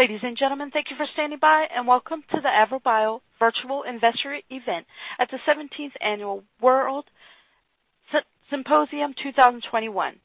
Ladies and gentlemen, thank you for standing by and welcome to the AVROBIO Virtual Investor event at the 17th Annual WORLDSymposium 2021.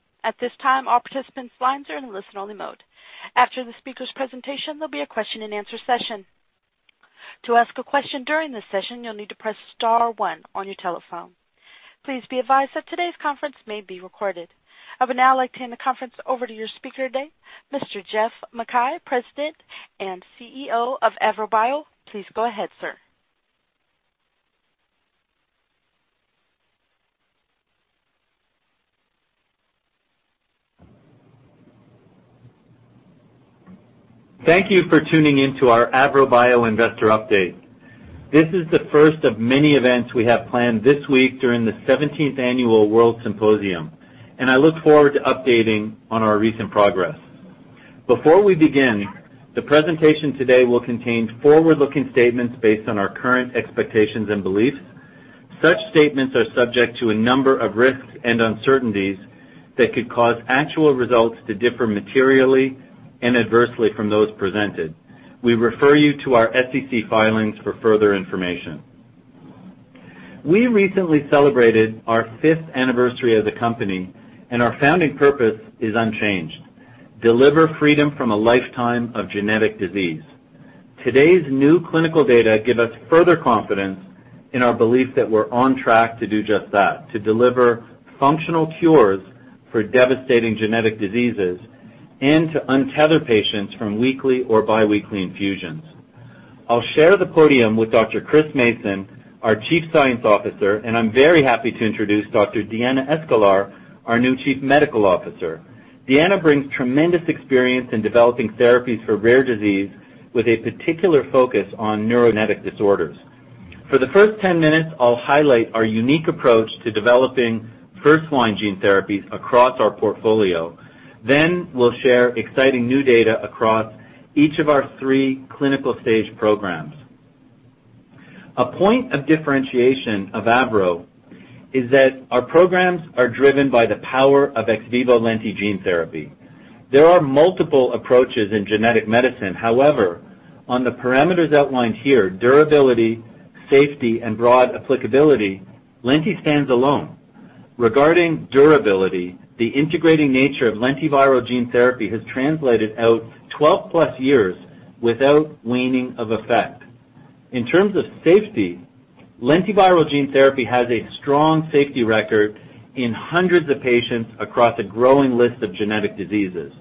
I would now like to hand the conference over to your speaker today, Mr. Geoff MacKay, President and CEO of AVROBIO. Please go ahead, sir. Thank you for tuning in to our AVROBIO Investor Update. This is the first of many events we have planned this week during the 17th Annual WORLDSymposium. I look forward to updating on our recent progress. Before we begin, the presentation today will contain forward-looking statements based on our current expectations and beliefs. Such statements are subject to a number of risks and uncertainties that could cause actual results to differ materially and adversely from those presented. We refer you to our SEC filings for further information. We recently celebrated our fifth anniversary as a company. Our founding purpose is unchanged: deliver freedom from a lifetime of genetic disease. Today's new clinical data give us further confidence in our belief that we're on track to do just that, to deliver functional cures for devastating genetic diseases and to untether patients from weekly or biweekly infusions. I'll share the podium with Dr. Chris Mason, our chief science officer, and I'm very happy to introduce Dr. Diana Escolar, our new chief medical officer. Diana brings tremendous experience in developing therapies for rare disease with a particular focus on neurogenetic disorders. For the first 10 minutes, I'll highlight our unique approach to developing first-line gene therapies across our portfolio. We'll share exciting new data across each of our 3 clinical stage programs. A point of differentiation of AVRO is that our programs are driven by the power of ex vivo lenti gene therapy. There are multiple approaches in genetic medicine. However, on the parameters outlined here, durability, safety, and broad applicability, lenti stands alone. Regarding durability, the integrating nature of lentiviral gene therapy has translated out 12+ years without waning of effect. In terms of safety, lentiviral gene therapy has a strong safety record in hundreds of patients across a growing list of genetic diseases.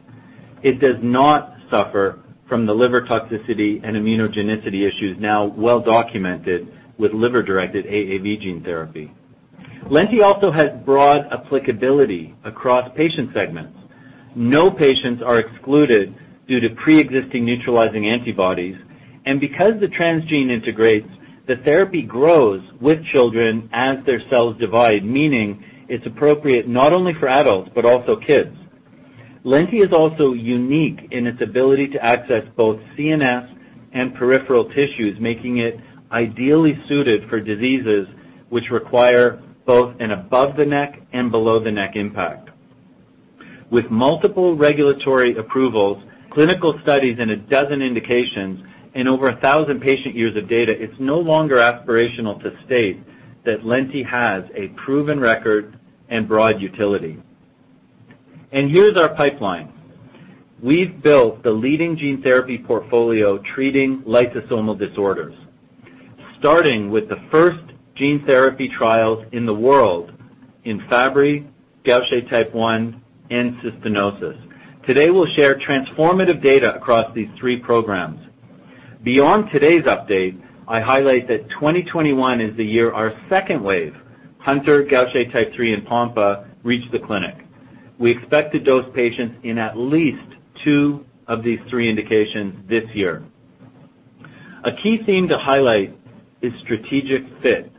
It does not suffer from the liver toxicity and immunogenicity issues now well documented with liver-directed AAV gene therapy. Lenti also has broad applicability across patient segments. No patients are excluded due to preexisting neutralizing antibodies, because the transgene integrates, the therapy grows with children as their cells divide, meaning it's appropriate not only for adults, but also kids. Lenti is also unique in its ability to access both CNS and peripheral tissues, making it ideally suited for diseases which require both an above-the-neck and below-the-neck impact. With multiple regulatory approvals, clinical studies in a dozen indications, and over a thousand patient years of data, it's no longer aspirational to state that lenti has a proven record and broad utility. Here's our pipeline. We've built the leading gene therapy portfolio treating lysosomal disorders, starting with the first gene therapy trials in the world in Fabry, Gaucher type 1, and cystinosis. Today, we'll share transformative data across these three programs. Beyond today's update, I highlight that 2021 is the year our second wave, Hunter, Gaucher type 3, and Pompe, reach the clinic. We expect to dose patients in at least two of these three indications this year. A key theme to highlight is strategic fit.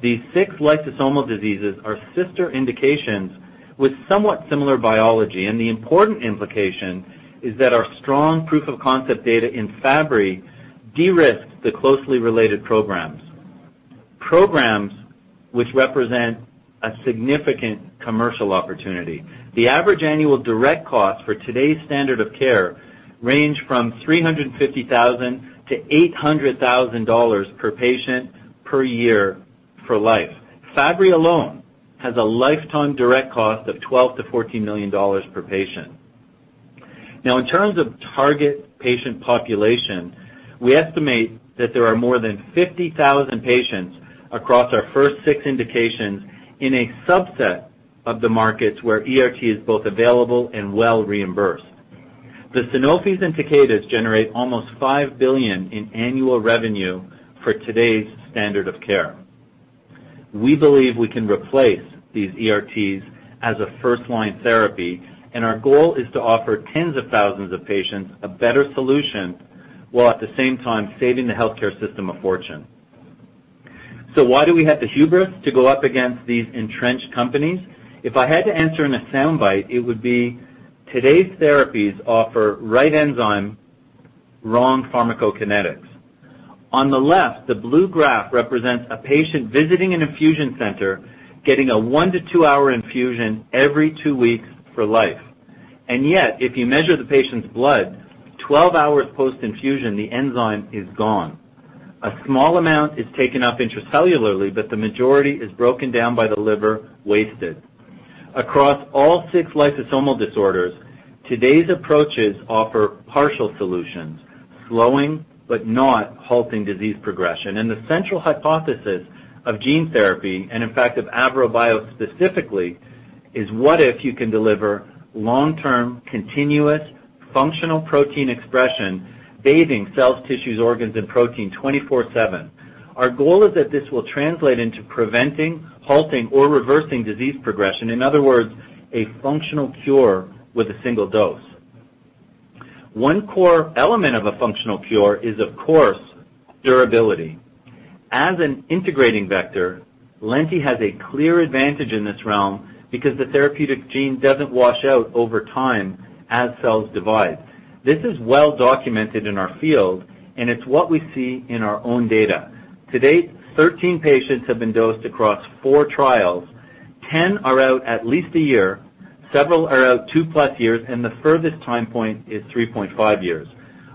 These six lysosomal diseases are sister indications with somewhat similar biology, and the important implication is that our strong proof of concept data in Fabry de-risks the closely related programs. Programs which represent a significant commercial opportunity. The average annual direct cost for today's standard of care range from $350,000-$800,000 per patient per year for life. Fabry alone has a lifetime direct cost of $12 million-$14 million per patient. In terms of target patient population, we estimate that there are more than 50,000 patients across our first 6 indications in a subset of the markets where ERT is both available and well reimbursed. The Sanofi and Takeda generate almost $5 billion in annual revenue for today's standard of care. We believe we can replace these ERTs as a first-line therapy, our goal is to offer tens of thousands of patients a better solution, while at the same time saving the healthcare system a fortune. Why do we have the hubris to go up against these entrenched companies? If I had to answer in a soundbite, it would be today's therapies offer right enzyme, wrong pharmacokinetics. On the left, the blue graph represents a patient visiting an infusion center, getting a one-to-two-hour infusion every two weeks for life. Yet, if you measure the patient's blood, 12 hours post-infusion, the enzyme is gone. A small amount is taken up intracellularly, the majority is broken down by the liver, wasted. Across all six lysosomal disorders, today's approaches offer partial solutions, slowing but not halting disease progression. The central hypothesis of gene therapy, and in fact of AVROBIO specifically, is what if you can deliver long-term, continuous, functional protein expression, bathing cells, tissues, organs, and protein 24/7? Our goal is that this will translate into preventing, halting, or reversing disease progression. In other words, a functional cure with a single dose. One core element of a functional cure is, of course, durability. As an integrating vector, lenti has a clear advantage in this realm because the therapeutic gene doesn't wash out over time as cells divide. This is well documented in our field, it's what we see in our own data. To date, 13 patients have been dosed across four trials. 10 are out at least a year, several are out 2-plus years, and the furthest time point is 3.5 years.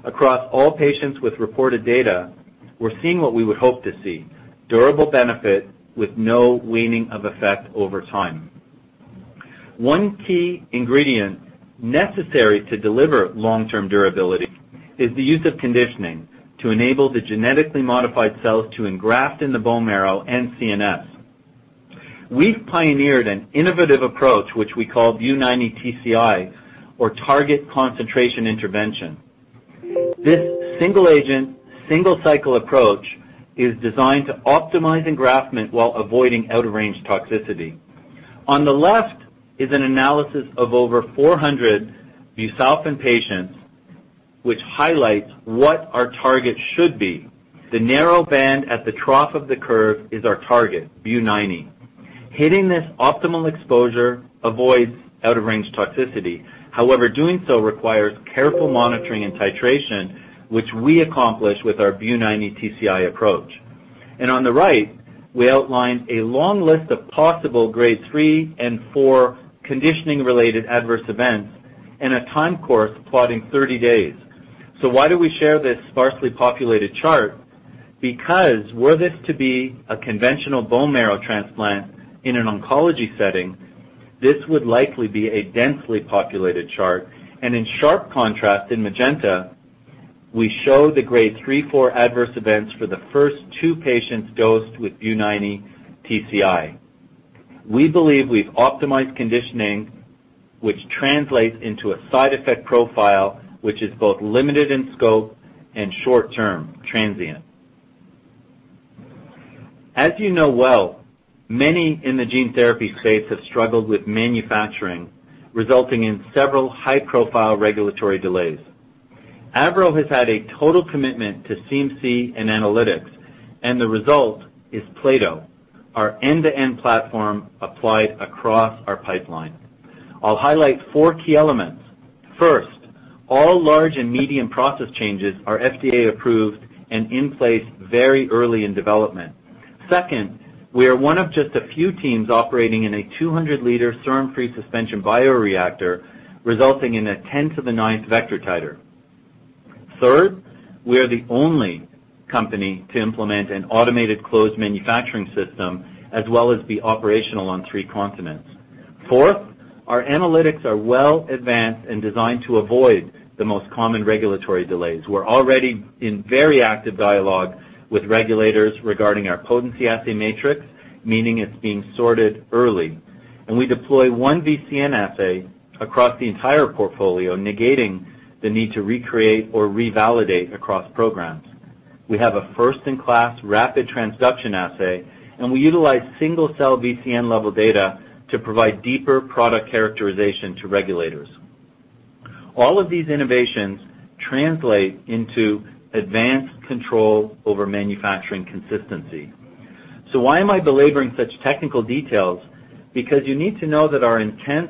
Across all patients with reported data, we're seeing what we would hope to see: durable benefit with no waning of effect over time. One key ingredient necessary to deliver long-term durability is the use of conditioning to enable the genetically modified cells to engraft in the bone marrow and CNS. We've pioneered an innovative approach, which we call Bu90-TCI, or Target Concentration Intervention. This single agent, single cycle approach is designed to optimize engraftment while avoiding out-of-range toxicity. On the left is an analysis of over 400 busulfan patients, which highlights what our target should be. The narrow band at the trough of the curve is our target, Bu90. Hitting this optimal exposure avoids out-of-range toxicity. However, doing so requires careful monitoring and titration, which we accomplish with our Bu90-TCI approach. On the right, we outlined a long list of possible grade 3 and 4 conditioning-related adverse events in a time course plotting 30 days. Why do we share this sparsely populated chart? Because were this to be a conventional bone marrow transplant in an oncology setting, this would likely be a densely populated chart. In sharp contrast, in magenta, we show the grade 3/4 adverse events for the first two patients dosed with Bu90-TCI. We believe we've optimized conditioning, which translates into a side effect profile, which is both limited in scope and short-term, transient. As you know well, many in the gene therapy space have struggled with manufacturing, resulting in several high-profile regulatory delays. AVROBIO has had a total commitment to CMC and analytics, and the result is plato, our end-to-end platform applied across our pipeline. I'll highlight four key elements. First, all large and medium process changes are FDA-approved and in place very early in development. Second, we are one of just a few teams operating in a 200-liter serum-free suspension bioreactor, resulting in a 10 to the ninth vector titer. Third, we are the only company to implement an automated closed manufacturing system, as well as be operational on three continents. Fourth, our analytics are well advanced and designed to avoid the most common regulatory delays. We're already in very active dialogue with regulators regarding our potency assay matrix, meaning it's being sorted early. We deploy one VCN assay across the entire portfolio, negating the need to recreate or revalidate across programs. We have a first-in-class rapid transduction assay, and we utilize single-cell VCN level data to provide deeper product characterization to regulators. All of these innovations translate into advanced control over manufacturing consistency. Why am I belaboring such technical details? Because you need to know that our intense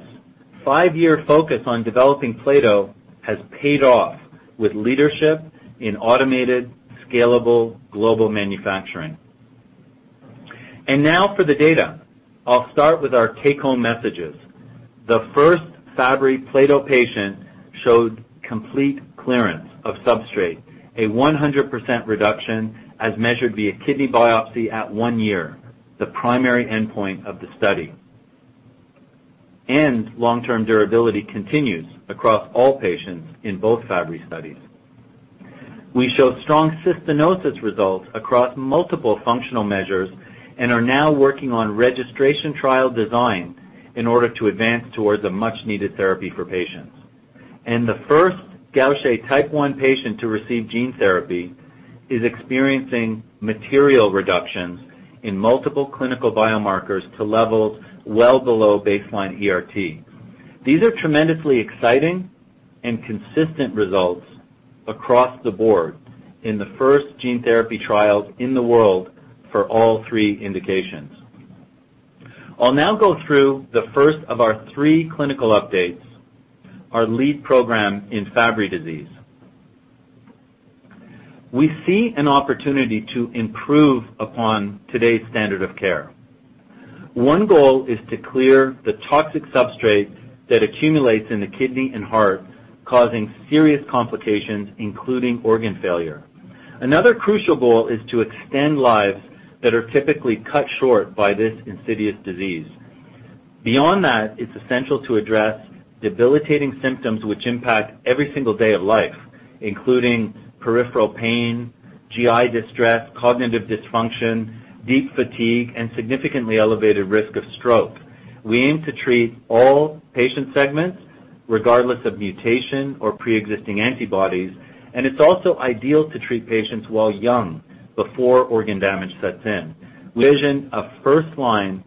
five-year focus on developing plato has paid off with leadership in automated, scalable global manufacturing. Now for the data. I'll start with our take-home messages. The first Fabry plato patient showed complete clearance of substrate, a 100% reduction as measured via kidney biopsy at one year, the primary endpoint of the study. Long-term durability continues across all patients in both Fabry studies. We show strong cystinosis results across multiple functional measures and are now working on registration trial design in order to advance towards a much-needed therapy for patients. The first Gaucher type 1 patient to receive gene therapy is experiencing material reductions in multiple clinical biomarkers to levels well below baseline ERT. These are tremendously exciting and consistent results across the board in the first gene therapy trials in the world for all three indications. I'll now go through the first of our three clinical updates, our lead program in Fabry disease. We see an opportunity to improve upon today's standard of care. One goal is to clear the toxic substrate that accumulates in the kidney and heart, causing serious complications, including organ failure. Another crucial goal is to extend lives that are typically cut short by this insidious disease. Beyond that, it's essential to address debilitating symptoms which impact every single day of life, including peripheral pain, GI distress, cognitive dysfunction, deep fatigue, and significantly elevated risk of stroke. We aim to treat all patient segments, regardless of mutation or preexisting antibodies, and it's also ideal to treat patients while young, before organ damage sets in. Vision, a first-line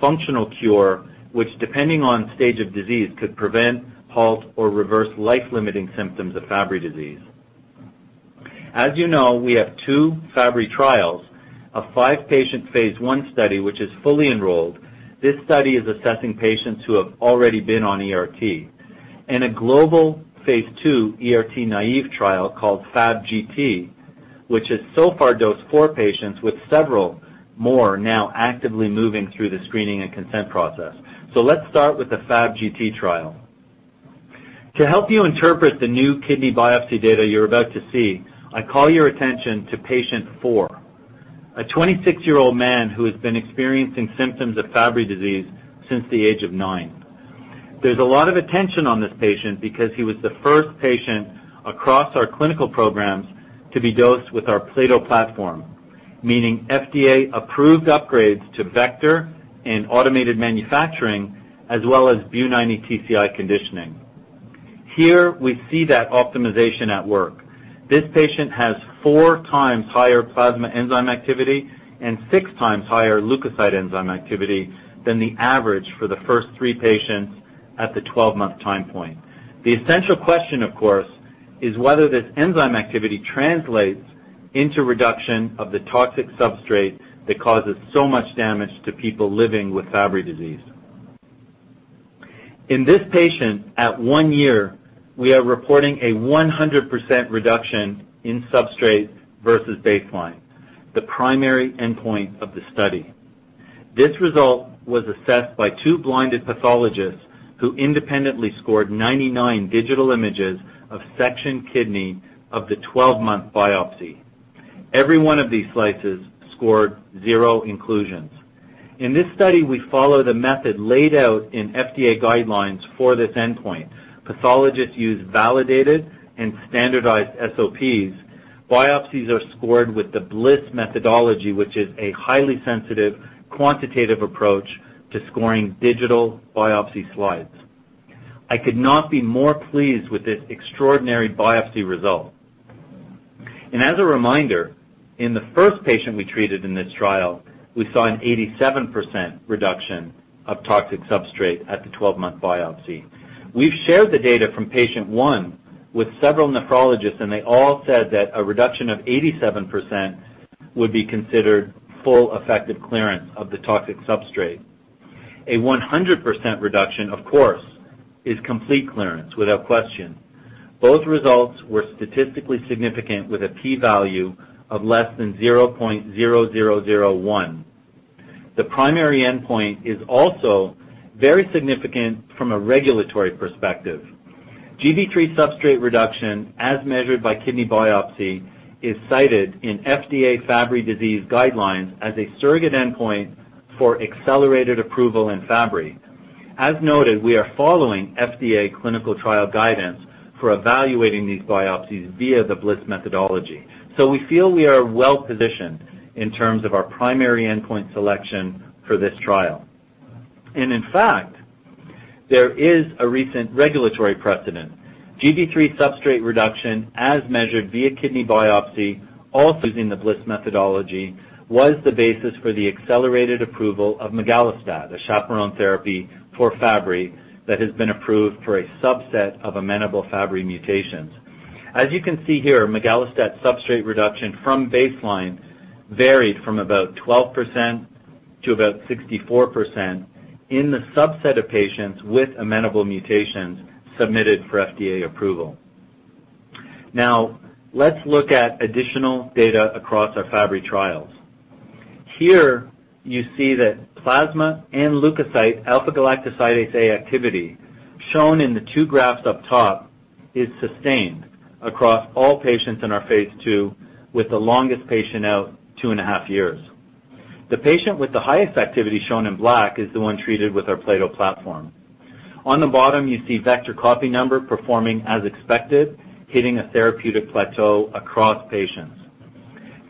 functional cure, which depending on stage of disease, could prevent, halt, or reverse life-limiting symptoms of Fabry disease. As you know, we have two Fabry trials, a five-patient phase I study, which is fully enrolled. This study is assessing patients who have already been on ERT. In a global phase II ERT-naïve trial called FAB-GT, which has so far dosed four patients with several more now actively moving through the screening and consent process. Let's start with the FAB-GT trial. To help you interpret the new kidney biopsy data you're about to see, I call your attention to patient four, a 26-year-old man who has been experiencing symptoms of Fabry disease since the age of nine. There's a lot of attention on this patient because he was the first patient across our clinical programs to be dosed with our plato platform, meaning FDA-approved upgrades to vector and automated manufacturing, as well as Bu90-TCI conditioning. Here, we see that optimization at work. This patient has four times higher plasma enzyme activity and six times higher leukocyte enzyme activity than the average for the first three patients at the 12-month time point. The essential question, of course, is whether this enzyme activity translates into reduction of the toxic substrate that causes so much damage to people living with Fabry disease. In this patient, at one year, we are reporting a 100% reduction in substrate versus baseline, the primary endpoint of the study. This result was assessed by two blinded pathologists who independently scored 99 digital images of section kidney of the 12-month biopsy. Every one of these slices scored zero inclusions. In this study, we follow the method laid out in FDA guidelines for this endpoint. Pathologists use validated and standardized SOPs. Biopsies are scored with the BLIS methodology, which is a highly sensitive quantitative approach to scoring digital biopsy slides. I could not be more pleased with this extraordinary biopsy result. As a reminder, in the first patient we treated in this trial, we saw an 87% reduction of toxic substrate at the 12-month biopsy. We've shared the data from patient 1 with several nephrologists, and they all said that a reduction of 87% would be considered full effective clearance of the toxic substrate. A 100% reduction, of course, is complete clearance without question. Both results were statistically significant with a P value of less than 0.0001. The primary endpoint is also very significant from a regulatory perspective. GB3 substrate reduction, as measured by kidney biopsy, is cited in FDA Fabry disease guidelines as a surrogate endpoint for accelerated approval in Fabry. As noted, we are following FDA clinical trial guidance for evaluating these biopsies via the BLIS methodology. We feel we are well-positioned in terms of our primary endpoint selection for this trial. In fact, there is a recent regulatory precedent. GB3 substrate reduction, as measured via kidney biopsy, also using the BLIS methodology, was the basis for the accelerated approval of migalastat, a chaperone therapy for Fabry that has been approved for a subset of amenable Fabry mutations. As you can see here, migalastat substrate reduction from baseline varied from about 12% to about 64% in the subset of patients with amenable mutations submitted for FDA approval. Let's look at additional data across our Fabry trials. Here, you see that plasma and leukocyte alpha-galactosidase A activity, shown in the two graphs up top, is sustained across all patients in our phase II, with the longest patient out two and a half years. The patient with the highest activity, shown in black, is the one treated with our Plato platform. On the bottom, you see vector copy number performing as expected, hitting a therapeutic plateau across patients.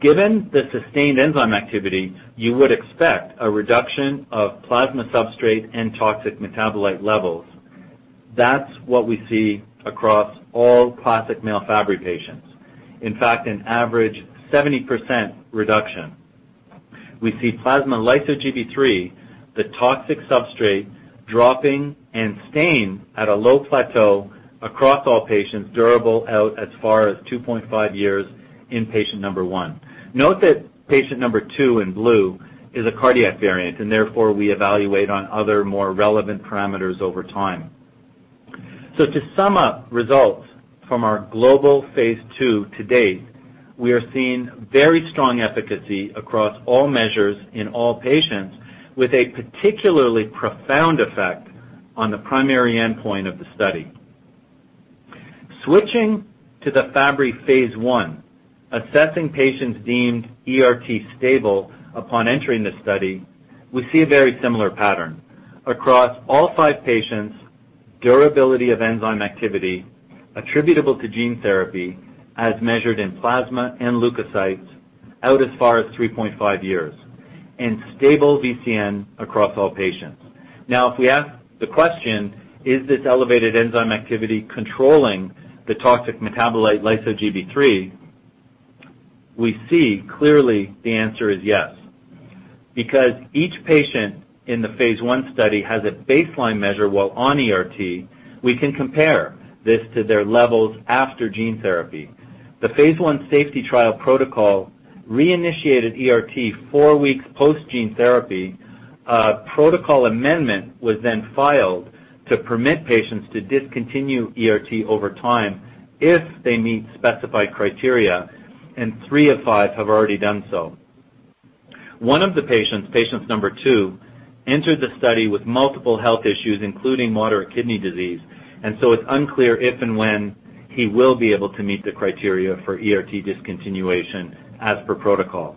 Given the sustained enzyme activity, you would expect a reduction of plasma substrate and toxic metabolite levels. That's what we see across all classic male Fabry patients. In fact, an average 70% reduction. We see plasma lyso-Gb3, the toxic substrate, dropping and staying at a low plateau across all patients durable out as far as 2.5 years in patient number 1. Note that patient number 2 in blue is a cardiac variant, and therefore, we evaluate on other more relevant parameters over time. To sum up results from our global phase II to date, we are seeing very strong efficacy across all measures in all patients, with a particularly profound effect on the primary endpoint of the study. Switching to the Fabry phase I, assessing patients deemed ERT stable upon entering the study, we see a very similar pattern. Across all five patients, durability of enzyme activity attributable to gene therapy as measured in plasma and leukocytes out as far as 3.5 years, and stable VCN across all patients. If we ask the question, is this elevated enzyme activity controlling the toxic metabolite, lyso-Gb3, we see clearly the answer is yes. Each patient in the phase I study has a baseline measure while on ERT, we can compare this to their levels after gene therapy. The phase I safety trial protocol reinitiated ERT four weeks post gene therapy. A protocol amendment was then filed to permit patients to discontinue ERT over time if they meet specified criteria, and three of five have already done so. One of the patients, patient number 2, entered the study with multiple health issues, including moderate kidney disease, and so it's unclear if and when he will be able to meet the criteria for ERT discontinuation as per protocol.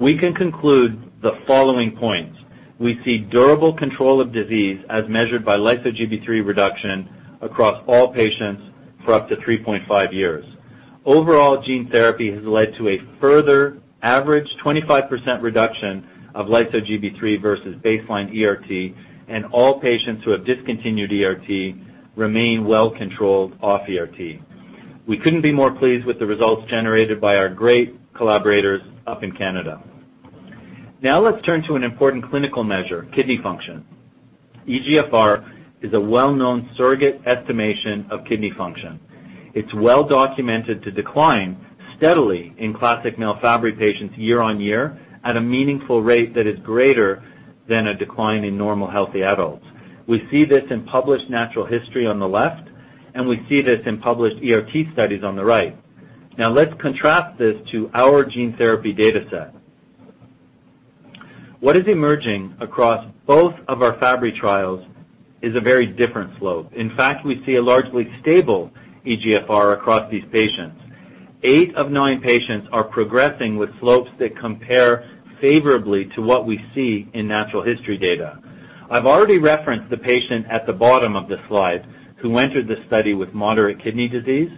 We can conclude the following points. We see durable control of disease as measured by lyso-Gb3 reduction across all patients for up to 3.5 years. Overall, gene therapy has led to a further average 25% reduction of lyso-Gb3 versus baseline ERT, and all patients who have discontinued ERT remain well controlled off ERT. We couldn't be more pleased with the results generated by our great collaborators up in Canada. Let's turn to an important clinical measure, kidney function. eGFR is a well-known surrogate estimation of kidney function. It's well documented to decline steadily in classic male Fabry patients year on year at a meaningful rate that is greater than a decline in normal healthy adults. We see this in published natural history on the left, and we see this in published ERT studies on the right. Now let's contrast this to our gene therapy data set. What is emerging across both of our Fabry trials is a very different slope. In fact, we see a largely stable eGFR across these patients. Eight of nine patients are progressing with slopes that compare favorably to what we see in natural history data. I've already referenced the patient at the bottom of the slide who entered the study with moderate kidney disease.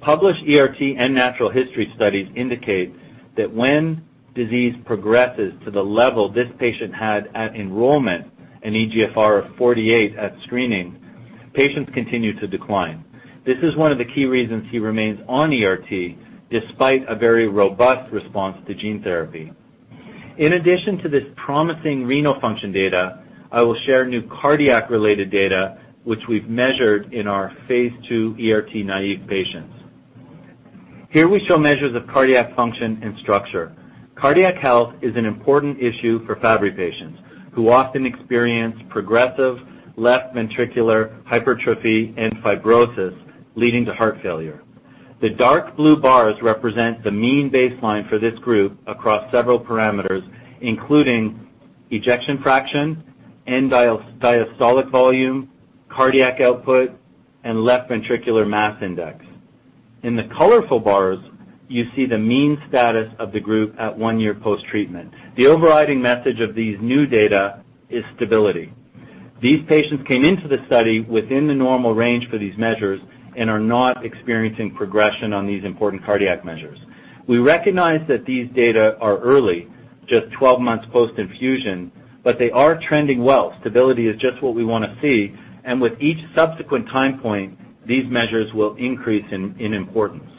Published ERT and natural history studies indicate that when disease progresses to the level this patient had at enrollment, an eGFR of 48 at screening, patients continue to decline. This is one of the key reasons he remains on ERT despite a very robust response to gene therapy. In addition to this promising renal function data, I will share new cardiac-related data, which we've measured in our phase II ERT-naive patients. Here we show measures of cardiac function and structure. Cardiac health is an important issue for Fabry patients, who often experience progressive left ventricular hypertrophy and fibrosis, leading to heart failure. The dark blue bars represent the mean baseline for this group across several parameters, including ejection fraction, end-diastolic volume, cardiac output, and left ventricular mass index. In the colorful bars, you see the mean status of the group at one year post-treatment. The overriding message of these new data is stability. These patients came into the study within the normal range for these measures and are not experiencing progression on these important cardiac measures. We recognize that these data are early, just 12 months post-infusion, but they are trending well. Stability is just what we want to see, and with each subsequent time point, these measures will increase in importance.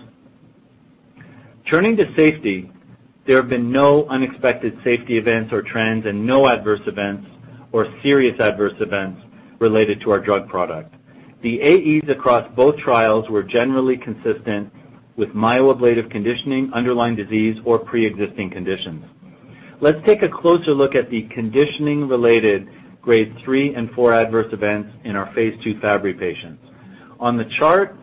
Turning to safety, there have been no unexpected safety events or trends and no adverse events or serious adverse events related to our drug product. The AEs across both trials were generally consistent with myeloablative conditioning, underlying disease, or pre-existing conditions. Let's take a closer look at the conditioning-related Grade 3 and 4 adverse events in our phase II Fabry patients. On the chart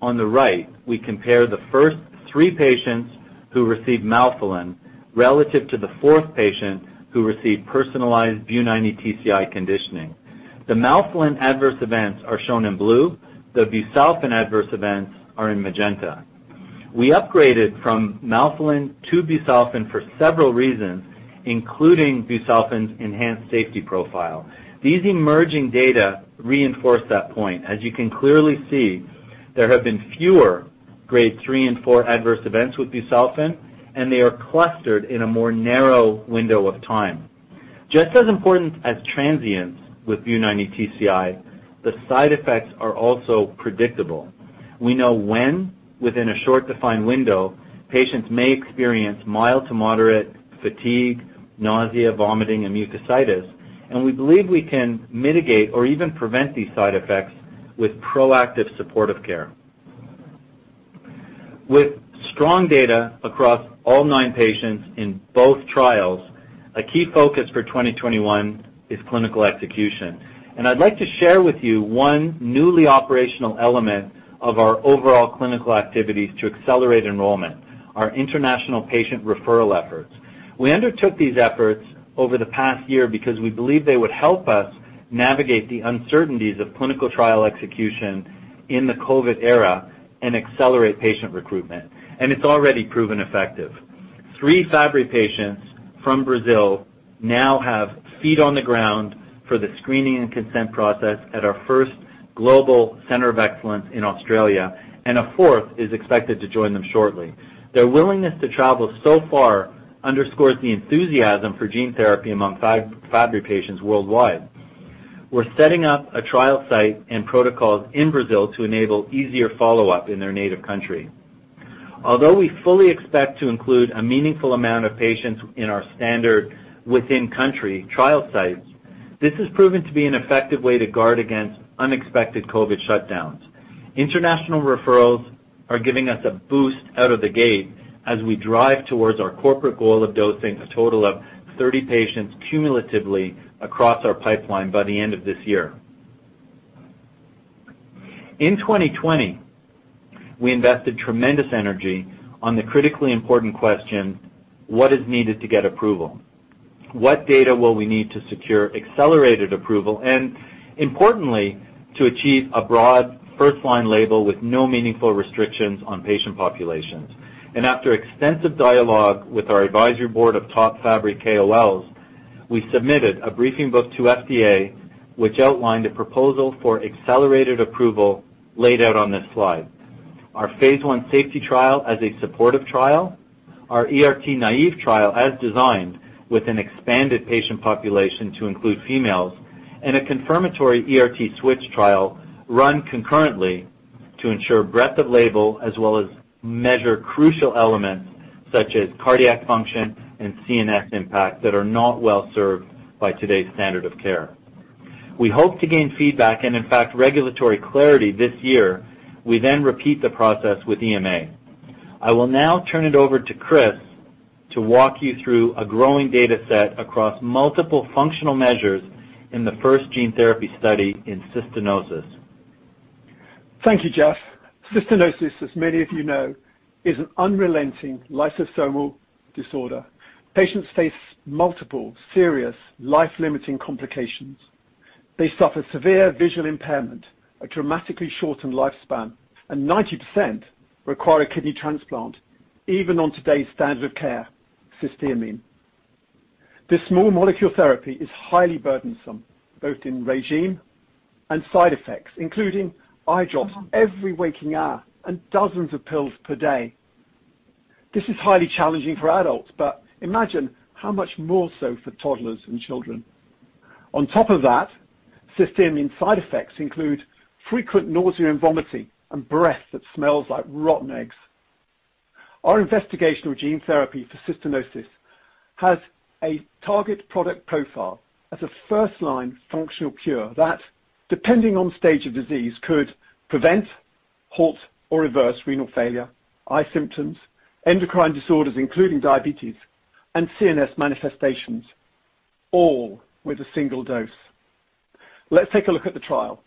on the right, we compare the first 3 patients who received melphalan relative to the 4th patient who received personalized Bu90-TCI conditioning. The melphalan adverse events are shown in blue. The busulfan adverse events are in magenta. We upgraded from melphalan to busulfan for several reasons, including busulfan's enhanced safety profile. These emerging data reinforce that point. As you can clearly see, there have been fewer Grade 3 and 4 adverse events with busulfan, and they are clustered in a more narrow window of time. Just as important as transients with Bu90-TCI, the side effects are also predictable. We know when, within a short defined window, patients may experience mild to moderate fatigue, nausea, vomiting, and mucositis, and we believe we can mitigate or even prevent these side effects with proactive supportive care. With strong data across all nine patients in both trials, a key focus for 2021 is clinical execution. I'd like to share with you one newly operational element of our overall clinical activities to accelerate enrollment, our international patient referral efforts. We undertook these efforts over the past year because we believe they would help us navigate the uncertainties of clinical trial execution in the COVID era and accelerate patient recruitment, and it's already proven effective. Three Fabry patients from Brazil now have feet on the ground for the screening and consent process at our first global center of excellence in Australia, and a fourth is expected to join them shortly. Their willingness to travel so far underscores the enthusiasm for gene therapy among Fabry patients worldwide. We're setting up a trial site and protocols in Brazil to enable easier follow-up in their native country. Although we fully expect to include a meaningful amount of patients in our standard within-country trial sites, this has proven to be an effective way to guard against unexpected COVID shutdowns. International referrals are giving us a boost out of the gate as we drive towards our corporate goal of dosing a total of 30 patients cumulatively across our pipeline by the end of this year. In 2020, we invested tremendous energy on the critically important question: what is needed to get approval? What data will we need to secure accelerated approval, and importantly, to achieve a broad first-line label with no meaningful restrictions on patient populations? After extensive dialogue with our advisory board of top Fabry KOLs, we submitted a briefing book to FDA, which outlined a proposal for accelerated approval laid out on this slide. Our phase I safety trial as a supportive trial, our ERT naive trial as designed with an expanded patient population to include females, and a confirmatory ERT switch trial run concurrently to ensure breadth of label as well as measure crucial elements such as cardiac function and CNS impact that are not well-served by today's standard of care. We hope to gain feedback and, in fact, regulatory clarity this year. We repeat the process with EMA. I will now turn it over to Chris to walk you through a growing data set across multiple functional measures in the first gene therapy study in cystinosis. Thank you, Geoff. Cystinosis, as many of you know, is an unrelenting lysosomal disorder. Patients face multiple serious life-limiting complications. They suffer severe visual impairment, a dramatically shortened lifespan, and 90% require a kidney transplant even on today's standard of care, cysteamine. This small molecule therapy is highly burdensome, both in regime and side effects, including eye drops every waking hour and dozens of pills per day. This is highly challenging for adults, but imagine how much more so for toddlers and children. On top of that, cysteamine side effects include frequent nausea and vomiting and breath that smells like rotten eggs. Our investigational gene therapy for cystinosis has a target product profile as a first-line functional cure that, depending on stage of disease, could prevent, halt, or reverse renal failure, eye symptoms, endocrine disorders, including diabetes, and CNS manifestations, all with a single dose. Let's take a look at the trial.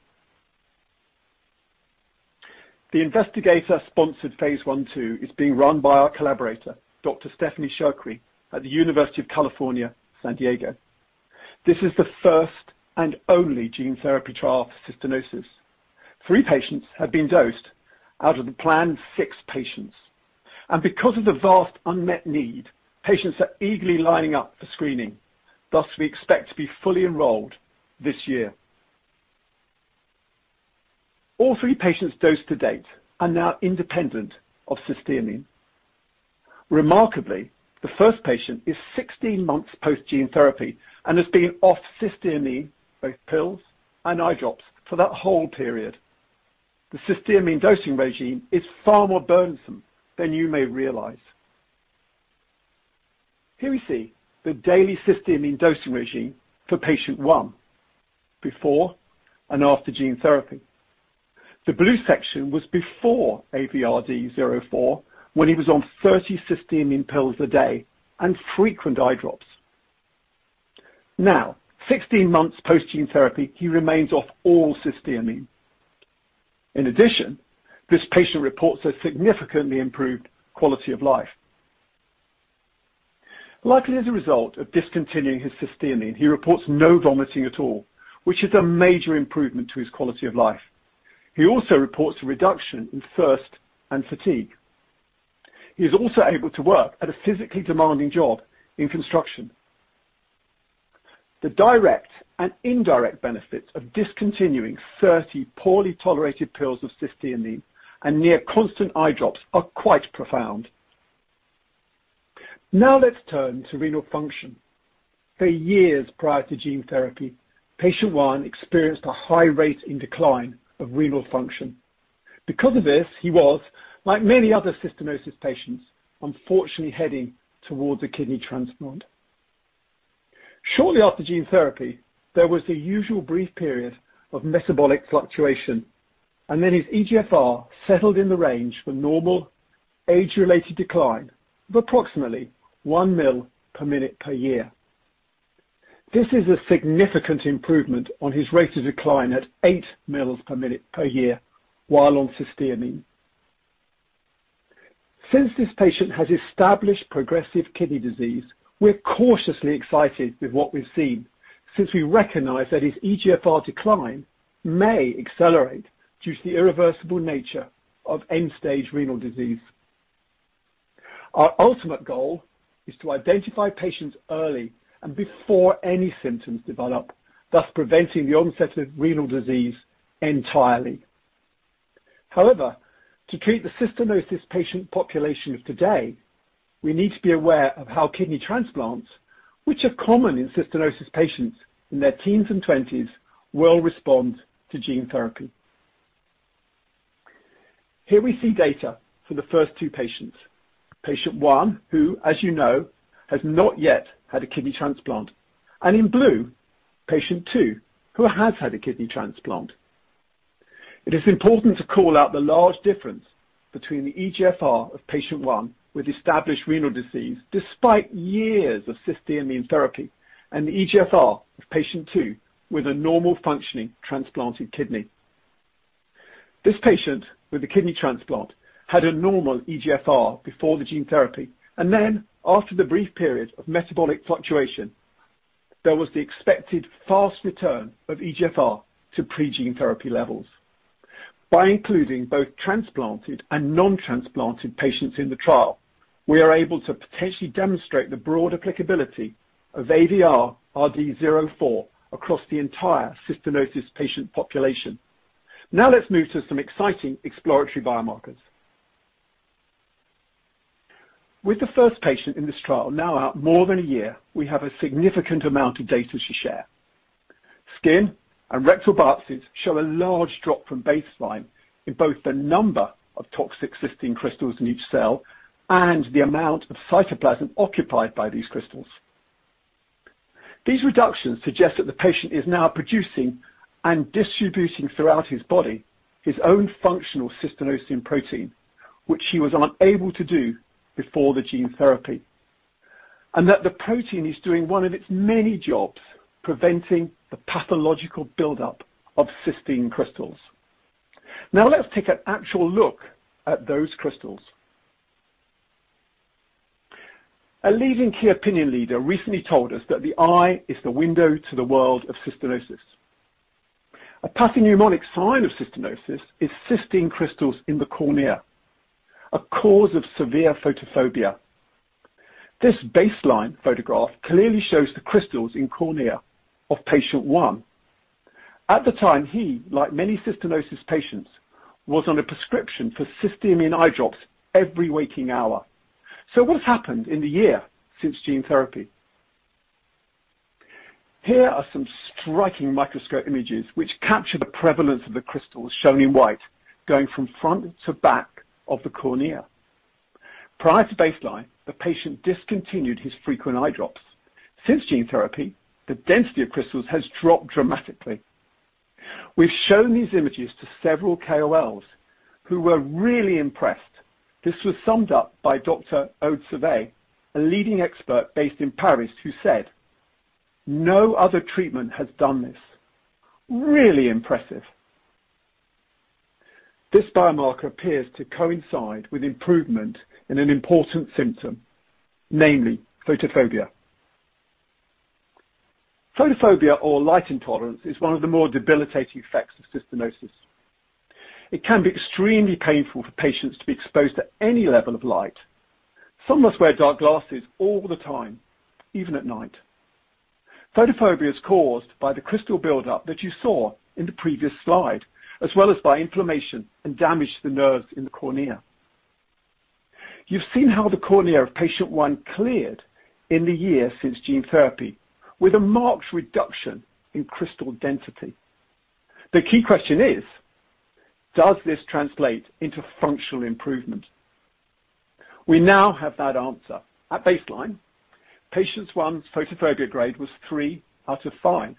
The investigator-sponsored phase I/phase II is being run by our collaborator, Dr. Stephanie Cherqui, at the University of California, San Diego. This is the first and only gene therapy trial for cystinosis. Three patients have been dosed out of the planned six patients. Because of the vast unmet need, patients are eagerly lining up for screening. Thus, we expect to be fully enrolled this year. All three patients dosed to date are now independent of cysteamine. Remarkably, the first patient is 16 months post gene therapy and has been off cysteamine, both pills and eye drops, for that whole period. The cysteamine dosing regime is far more burdensome than you may realize. Here we see the daily cysteamine dosing regime for patient one before and after gene therapy. The blue section was before AVR-RD-04, when he was on 30 cysteamine pills a day and frequent eye drops. 16 months post gene therapy, he remains off all cysteamine. In addition, this patient reports a significantly improved quality of life. Likely as a result of discontinuing his cysteamine, he reports no vomiting at all, which is a major improvement to his quality of life. He also reports a reduction in thirst and fatigue. He is also able to work at a physically demanding job in construction. The direct and indirect benefits of discontinuing 30 poorly tolerated pills of cysteamine and near constant eye drops are quite profound. Let's turn to renal function. For years prior to gene therapy, patient 1 experienced a high rate in decline of renal function. Because of this, he was, like many other cystinosis patients, unfortunately heading towards a kidney transplant. Shortly after gene therapy, there was the usual brief period of metabolic fluctuation, and then his eGFR settled in the range for normal age-related decline of approximately 1 ml per minute per year. This is a significant improvement on his rate of decline at 8 mls per minute per year while on cysteamine. Since this patient has established progressive kidney disease, we're cautiously excited with what we've seen, since we recognize that his eGFR decline may accelerate due to the irreversible nature of end-stage renal disease. Our ultimate goal is to identify patients early and before any symptoms develop, thus preventing the onset of renal disease entirely. To treat the cystinosis patient population of today, we need to be aware of how kidney transplants, which are common in cystinosis patients in their teens and twenties, will respond to gene therapy. Here we see data for the first two patients. Patient one, who, as you know, has not yet had a kidney transplant, and in blue, patient two, who has had a kidney transplant. It is important to call out the large difference between the eGFR of patient one with established renal disease, despite years of cysteamine therapy, and the eGFR of patient two with a normal functioning transplanted kidney. This patient with a kidney transplant had a normal eGFR before the gene therapy, and then after the brief period of metabolic fluctuation, there was the expected fast return of eGFR to pre-gene therapy levels. By including both transplanted and non-transplanted patients in the trial, we are able to potentially demonstrate the broad applicability of AVR-RD-04 across the entire cystinosis patient population. Let's move to some exciting exploratory biomarkers. With the first patient in this trial now out more than one year, we have a significant amount of data to share. Skin and rectal biopsies show a large drop from baseline in both the number of toxic cystine crystals in each cell and the amount of cytoplasm occupied by these crystals. These reductions suggest that the patient is now producing and distributing throughout his body his own functional cystinosin protein, which he was unable to do before the gene therapy, and that the protein is doing one of its many jobs, preventing the pathological buildup of cystine crystals. Let's take an actual look at those crystals. A leading key opinion leader recently told us that the eye is the window to the world of cystinosis. A pathognomonic sign of cystinosis is cystine crystals in the cornea, a cause of severe photophobia. This baseline photograph clearly shows the crystals in cornea of patient 1. At the time, he, like many cystinosis patients, was on a prescription for cysteamine eye drops every waking hour. What's happened in the year since gene therapy? Here are some striking microscope images which capture the prevalence of the crystals shown in white, going from front to back of the cornea. Prior to baseline, the patient discontinued his frequent eye drops. Since gene therapy, the density of crystals has dropped dramatically. We've shown these images to several KOLs who were really impressed. This was summed up by Dr. Aude Servais, a leading expert based in Paris, who said, "No other treatment has done this. Really impressive." This biomarker appears to coincide with improvement in an important symptom, namely photophobia. Photophobia or light intolerance is one of the more debilitating effects of cystinosis. It can be extremely painful for patients to be exposed to any level of light. Some must wear dark glasses all the time, even at night. Photophobia is caused by the crystal buildup that you saw in the previous slide, as well as by inflammation and damage to the nerves in the cornea. You've seen how the cornea of patient one cleared in the year since gene therapy, with a marked reduction in crystal density. The key question is: Does this translate into functional improvement? We now have that answer. At baseline, patient one's photophobia grade was 3 out of 5.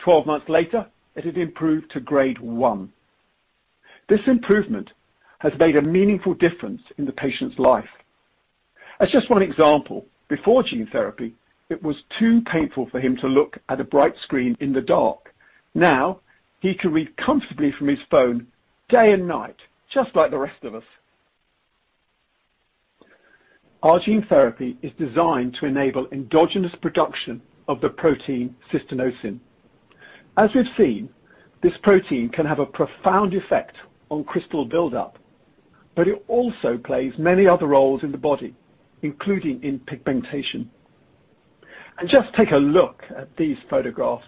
12 months later, it had improved to grade 1. This improvement has made a meaningful difference in the patient's life. As just one example, before gene therapy, it was too painful for him to look at a bright screen in the dark. Now, he can read comfortably from his phone day and night, just like the rest of us. Our gene therapy is designed to enable endogenous production of the protein cystinosin. As we've seen, this protein can have a profound effect on crystal buildup, it also plays many other roles in the body, including in pigmentation. Just take a look at these photographs.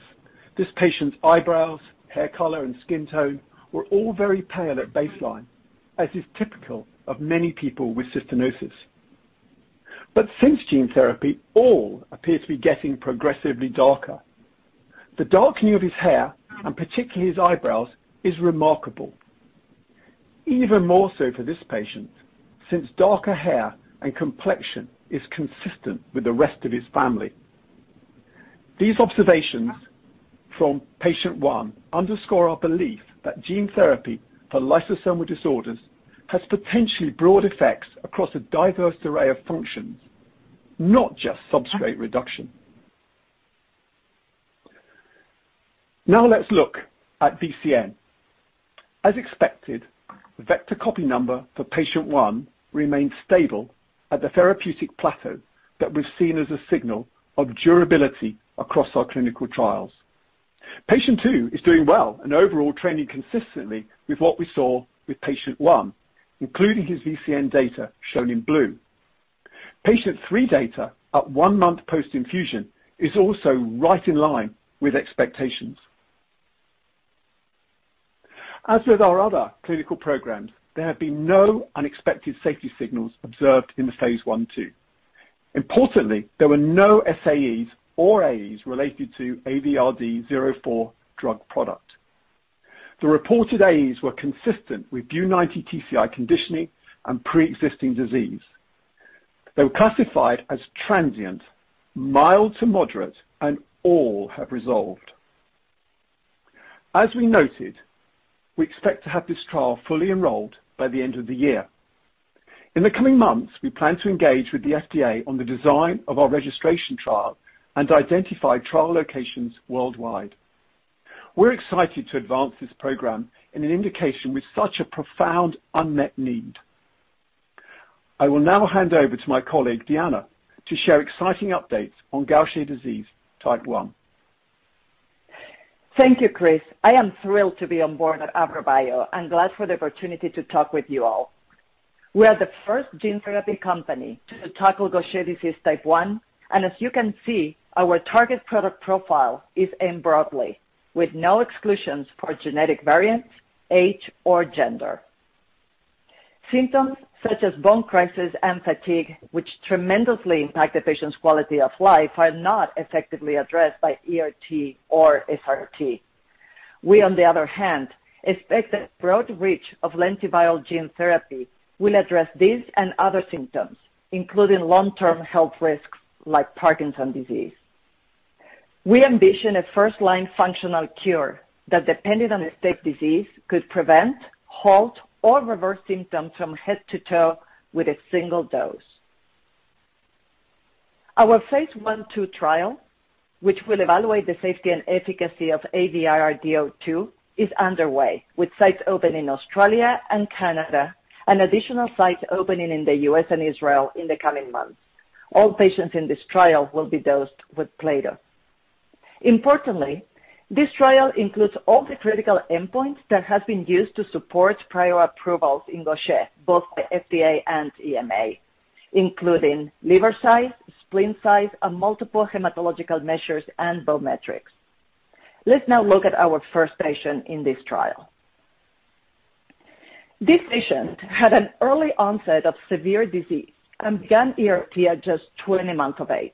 This patient's eyebrows, hair color, and skin tone were all very pale at baseline, as is typical of many people with cystinosis. Since gene therapy, all appear to be getting progressively darker. The darkening of his hair, and particularly his eyebrows, is remarkable. Even more so for this patient, since darker hair and complexion is consistent with the rest of his family. These observations from patient one underscore our belief that gene therapy for lysosomal disorders has potentially broad effects across a diverse array of functions, not just substrate reduction. Let's look at VCN. As expected, the vector copy number for patient one remained stable at the therapeutic plateau that we've seen as a signal of durability across our clinical trials. Patient two is doing well, and overall trending consistently with what we saw with patient one, including his VCN data shown in blue. Patient three data at one-month post-infusion is also right in line with expectations. As with our other clinical programs, there have been no unexpected safety signals observed in the phase I/phase II. Importantly, there were no SAEs or AEs related to AVR-RD-04 drug product. The reported AEs were consistent with Bu90-TCI conditioning and preexisting disease. They were classified as transient, mild to moderate, and all have resolved. As we noted, we expect to have this trial fully enrolled by the end of the year. In the coming months, we plan to engage with the FDA on the design of our registration trial and identify trial locations worldwide. We're excited to advance this program in an indication with such a profound unmet need. I will now hand over to my colleague, Diana, to share exciting updates on Gaucher disease type 1. Thank you, Chris. I am thrilled to be on board at AVROBIO and glad for the opportunity to talk with you all. We are the first gene therapy company to tackle Gaucher disease type 1. As you can see, our target product profile is aimed broadly, with no exclusions for genetic variants, age, or gender. Symptoms such as bone crisis and fatigue, which tremendously impact the patient's quality of life, are not effectively addressed by ERT or SRT. We, on the other hand, expect the broad reach of lentiviral gene therapy will address these and other symptoms, including long-term health risks like Parkinson disease. We ambition a first-line functional cure that, depending on the state disease, could prevent, halt, or reverse symptoms from head to toe with a single dose. Our phase I/phase II trial, which will evaluate the safety and efficacy of AVR-RD-02, is underway, with sites open in Australia and Canada, and additional sites opening in the U.S. and Israel in the coming months. All patients in this trial will be dosed with plato. Importantly, this trial includes all the critical endpoints that have been used to support prior approvals in Gaucher, both by FDA and EMA, including liver size, spleen size, and multiple hematological measures and bone metrics. Let's now look at our first patient in this trial. This patient had an early onset of severe disease and began ERT at just 20 months of age.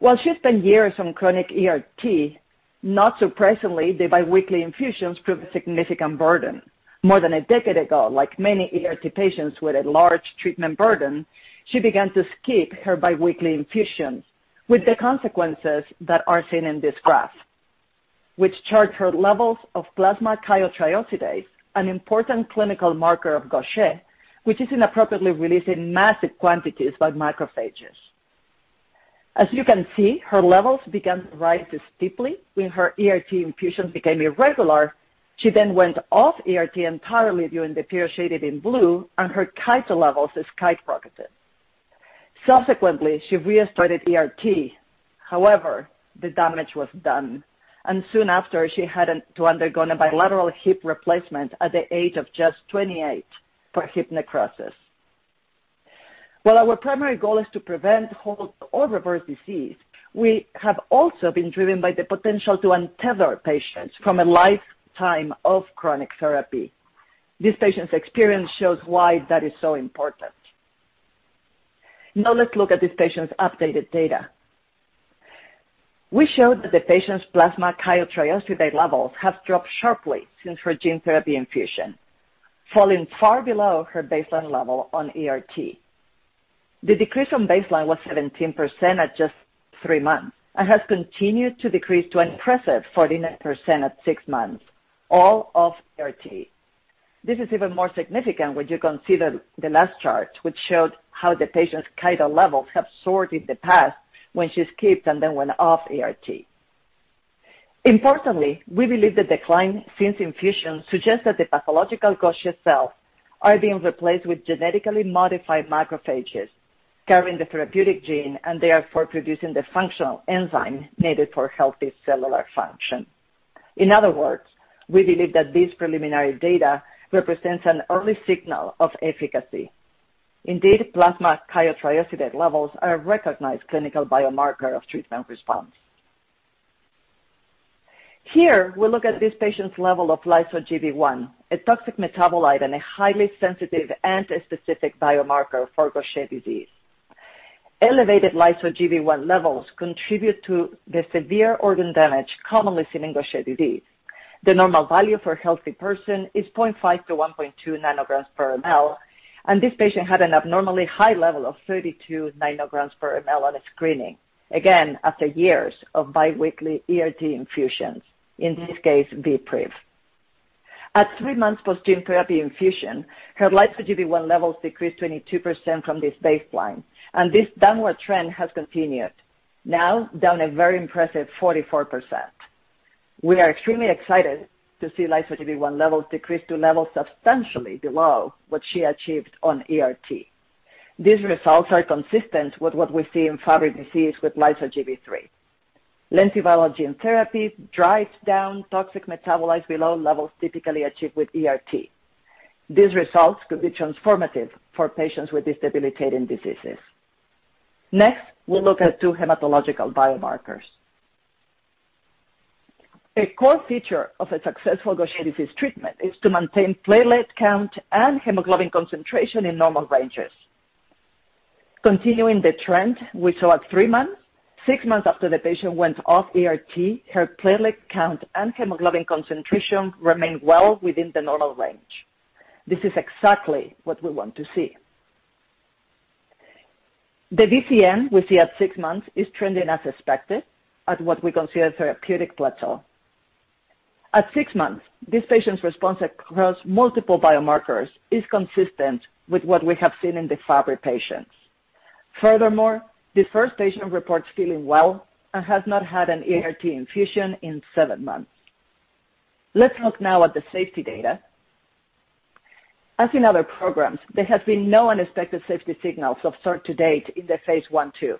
While she spent years on chronic ERT, not surprisingly, the biweekly infusions proved a significant burden. More than a decade ago, like many ERT patients with a large treatment burden, she began to skip her biweekly infusions, with the consequences that are seen in this graph, which chart her levels of plasma chitotriosidase, an important clinical marker of Gaucher, which is inappropriately released in massive quantities by macrophages. As you can see, her levels began to rise steeply when her ERT infusions became irregular. She then went off ERT entirely during the period shaded in blue, and her chito levels skyrocketed. Subsequently, she reinstated ERT. However, the damage was done, and soon after, she had to undergo a bilateral hip replacement at the age of just 28 for hip necrosis. While our primary goal is to prevent, halt, or reverse disease, we have also been driven by the potential to untether patients from a lifetime of chronic therapy. This patient's experience shows why that is so important. Let's look at this patient's updated data. We show that the patient's plasma chitotriosidase levels have dropped sharply since her gene therapy infusion, falling far below her baseline level on ERT. The decrease from baseline was 17% at just three months and has continued to decrease to an impressive 49% at six months, all off ERT. This is even more significant when you consider the last chart, which showed how the patient's chito levels have soared in the past when she skipped and then went off ERT. Importantly, we believe the decline since infusion suggests that the pathological Gaucher cells are being replaced with genetically modified macrophages carrying the therapeutic gene, and therefore producing the functional enzyme needed for healthy cellular function. In other words, we believe that this preliminary data represents an early signal of efficacy. Indeed, plasma chitotriosidase levels are a recognized clinical biomarker of treatment response. Here, we look at this patient's level of lyso-Gb1, a toxic metabolite and a highly sensitive and a specific biomarker for Gaucher disease. Elevated lyso-Gb1 levels contribute to the severe organ damage commonly seen in Gaucher disease. The normal value for a healthy person is 0.5 to 1.2 nanograms per mL. This patient had an abnormally high level of 32 nanograms per mL on a screening, again, after years of biweekly ERT infusions, in this case, VPRIV. At three months post-gene therapy infusion, her lyso-Gb1 levels decreased 22% from this baseline. This downward trend has continued, now down a very impressive 44%. We are extremely excited to see lyso-Gb1 levels decrease to levels substantially below what she achieved on ERT. These results are consistent with what we see in Fabry disease with lyso-Gb3. Lentiviral gene therapy drives down toxic metabolites below levels typically achieved with ERT. These results could be transformative for patients with these debilitating diseases. Next, we'll look at two hematological biomarkers. A core feature of a successful Gaucher disease treatment is to maintain platelet count and hemoglobin concentration in normal ranges. Continuing the trend we saw at three months, six months after the patient went off ERT, her platelet count and hemoglobin concentration remained well within the normal range. This is exactly what we want to see. The VCN we see at six months is trending as expected at what we consider therapeutic plateau. At six months, this patient's response across multiple biomarkers is consistent with what we have seen in the Fabry patients. Furthermore, the first patient reports feeling well and has not had an ERT infusion in seven months. Let's look now at the safety data. As in other programs, there have been no unexpected safety signals of sort to date in the phase I, phase II.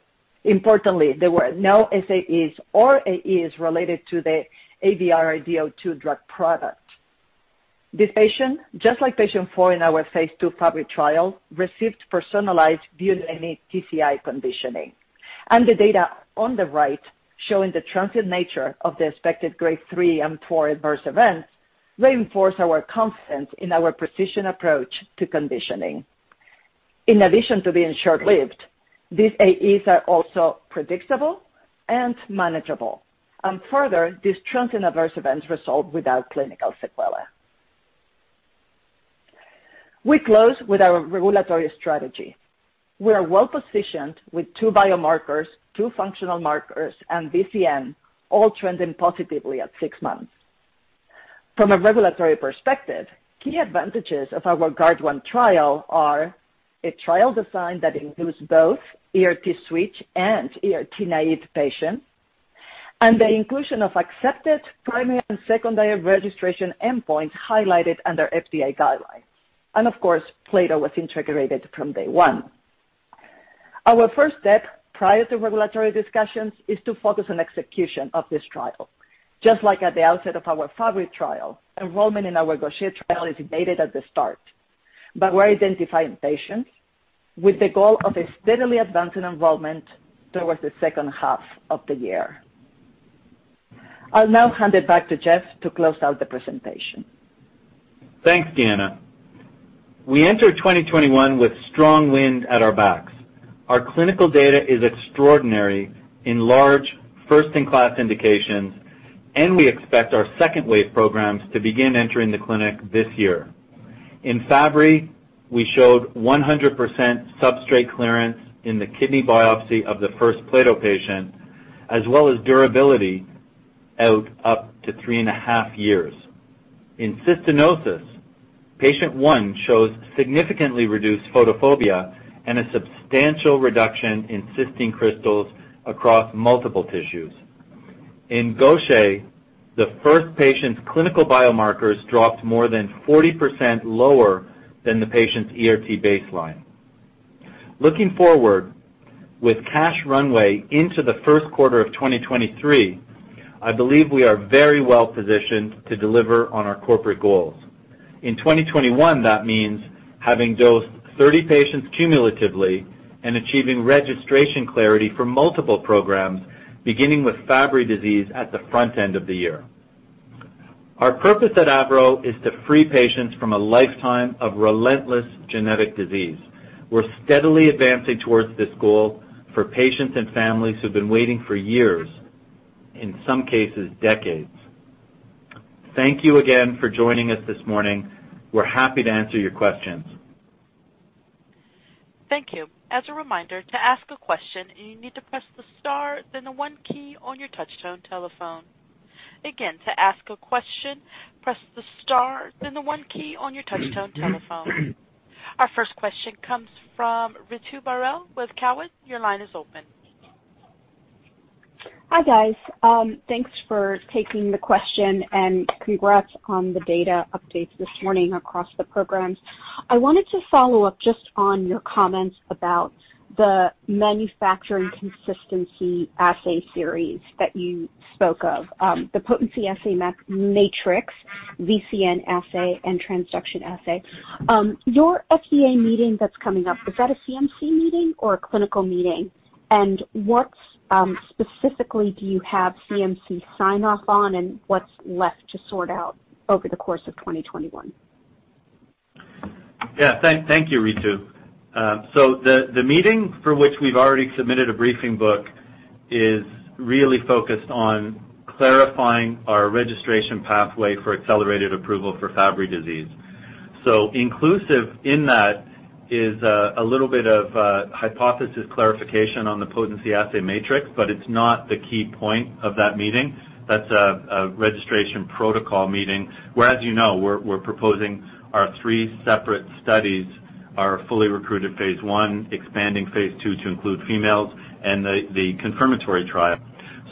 Importantly, there were no SAEs or AEs related to the AVR-RD-02 drug product. This patient, just like Patient four in our phase II Fabry trial, received personalized busulfan TCI conditioning, and the data on the right showing the transient nature of the expected grade 3 and 4 adverse events reinforce our confidence in our precision approach to conditioning. In addition to being short-lived, these AEs are also predictable and manageable. Further, these transient adverse events resolve without clinical sequela. We close with our regulatory strategy. We are well-positioned with two biomarkers, two functional markers, and VCN all trending positively at six months. From a regulatory perspective, key advantages of our GuardOne trial are a trial design that includes both ERT switch and ERT naive patients, the inclusion of accepted primary and secondary registration endpoints highlighted under FDA guidelines. Of course, Plato was integrated from day one. Our first step prior to regulatory discussions is to focus on execution of this trial. Just like at the outset of our Fabry trial, enrollment in our Gaucher trial is debated at the start. We're identifying patients with the goal of a steadily advancing enrollment towards the second half of the year. I'll now hand it back to Geoff to close out the presentation. Thanks, Diana. We enter 2021 with strong wind at our backs. Our clinical data is extraordinary in large, first-in-class indications. We expect our second-wave programs to begin entering the clinic this year. In Fabry, we showed 100% substrate clearance in the kidney biopsy of the first Plato patient, as well as durability out up to three and a half years. In cystinosis, Patient 1 shows significantly reduced photophobia and a substantial reduction in cystine crystals across multiple tissues. In Gaucher, the first patient's clinical biomarkers dropped more than 40% lower than the patient's ERT baseline. Looking forward, with cash runway into the first quarter of 2023, I believe we are very well-positioned to deliver on our corporate goals. In 2021, that means having dosed 30 patients cumulatively and achieving registration clarity for multiple programs, beginning with Fabry disease at the front end of the year. Our purpose at AVRO is to free patients from a lifetime of relentless genetic disease. We're steadily advancing towards this goal for patients and families who've been waiting for years, in some cases, decades. Thank you again for joining us this morning. We're happy to answer your questions. Thank you. As a reminder, to ask a question, you need to press the star, then the one key on your touchtone telephone. Again, to ask a question, press the star, then the one key on your touchtone telephone. Our first question comes from Ritu Baral with Cowen. Your line is open. Hi, guys. Thanks for taking the question and congrats on the data updates this morning across the programs. I wanted to follow up just on your comments about the manufacturing consistency assay series that you spoke of, the potency assay matrix, VCN assay, and transduction assay. Your FDA meeting that's coming up, is that a CMC meeting or a clinical meeting? What specifically do you have CMC sign-off on, and what's left to sort out over the course of 2021? Thank you, Ritu. The meeting for which we've already submitted a briefing book is really focused on clarifying our registration pathway for accelerated approval for Fabry disease. Inclusive in that is a little bit of hypothesis clarification on the potency assay matrix, it's not the key point of that meeting. That's a registration protocol meeting where, as you know, we're proposing our three separate studies, our fully recruited Phase I, expanding Phase II to include females, and the confirmatory trial.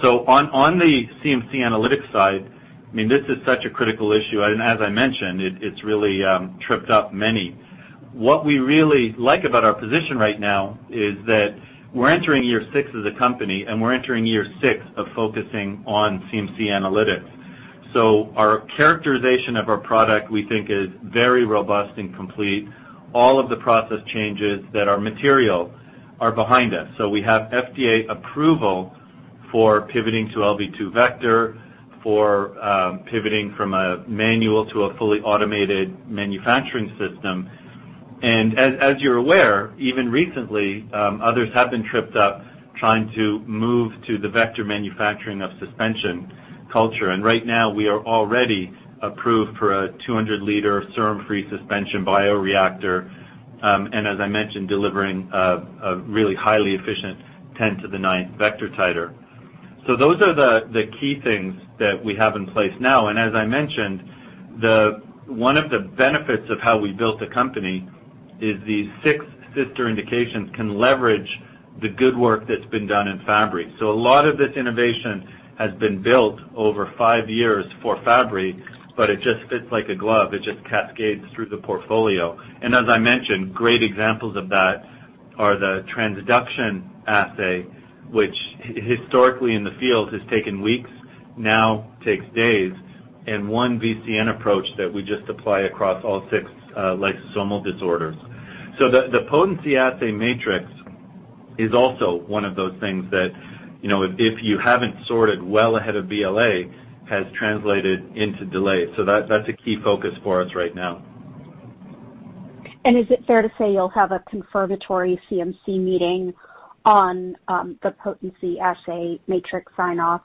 On the CMC analytics side, this is such a critical issue, as I mentioned, it's really tripped up many. What we really like about our position right now is that we're entering year six as a company, we're entering year six of focusing on CMC analytics. Our characterization of our product, we think, is very robust and complete. All of the process changes that are material are behind us. We have FDA approval for pivoting to LV2 vector, for pivoting from a manual to a fully automated manufacturing system. As you're aware, even recently, others have been tripped up trying to move to the vector manufacturing of suspension culture. Right now, we are already approved for a 200-liter serum-free suspension bioreactor, and as I mentioned, delivering a really highly efficient 10 to the 9th vector titer. Those are the key things that we have in place now. As I mentioned, one of the benefits of how we built the company is these six sister indications can leverage the good work that's been done in Fabry. A lot of this innovation has been built over five years for Fabry, but it just fits like a glove. It just cascades through the portfolio. As I mentioned, great examples of that are the transduction assay, which historically in the field has taken weeks, now takes days, and one VCN approach that we just apply across all six lysosomal disorders. The potency assay matrix is also one of those things that, if you haven't sorted well ahead of BLA, has translated into delay. That's a key focus for us right now. Is it fair to say you'll have a consultative CMC meeting on the potency assay matrix sign-off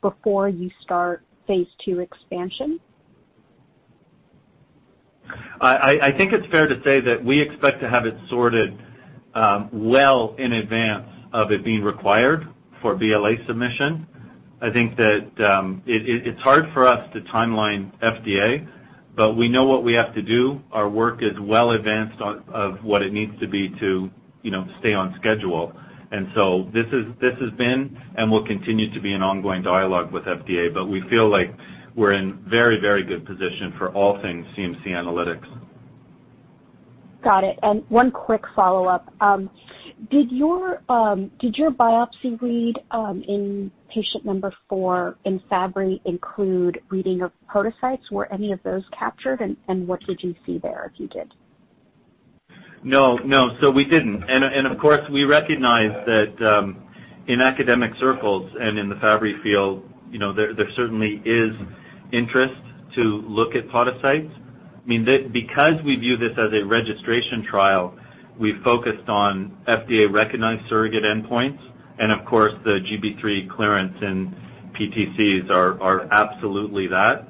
before you start phase II expansion? I think it's fair to say that we expect to have it sorted well in advance of it being required for BLA submission. I think that it's hard for us to timeline FDA, but we know what we have to do. Our work is well advanced of what it needs to be to stay on schedule. This has been and will continue to be an ongoing dialogue with FDA, but we feel like we're in very good position for all things CMC analytics. Got it. One quick follow-up. Did your biopsy read in patient number four in Fabry include reading of podocytes? Were any of those captured, and what did you see there if you did? No. We didn't. Of course, we recognize that in academic circles and in the Fabry field, there certainly is interest to look at podocytes. Because we view this as a registration trial, we focused on FDA-recognized surrogate endpoints. Of course, the GB3 clearance and PTCs are absolutely that.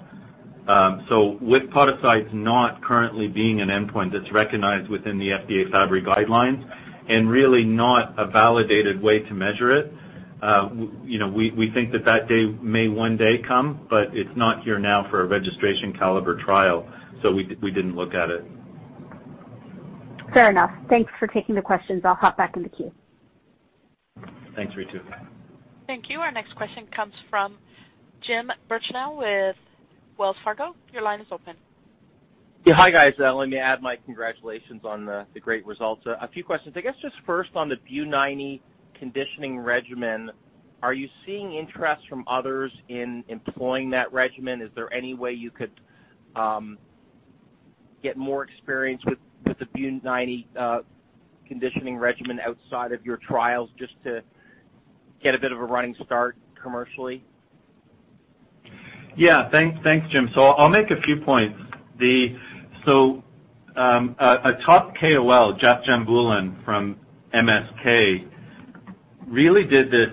With podocytes not currently being an endpoint that's recognized within the FDA Fabry guidelines and really not a validated way to measure it, we think that that day may one day come, but it's not here now for a registration caliber trial. We didn't look at it. Fair enough. Thanks for taking the questions. I'll hop back in the queue. Thanks, Ritu. Thank you. Our next question comes from Jim Birchenough with Wells Fargo. Your line is open. Yeah. Hi, guys. Let me add my congratulations on the great results. A few questions. I guess just first on the Bu90 conditioning regimen. Are you seeing interest from others in employing that regimen? Is there any way you could get more experience with the Bu90 conditioning regimen outside of your trials just to get a bit of a running start commercially? Thanks, Jim. I'll make a few points. A top KOL, Jaap Jan Boelens from MSK, really did this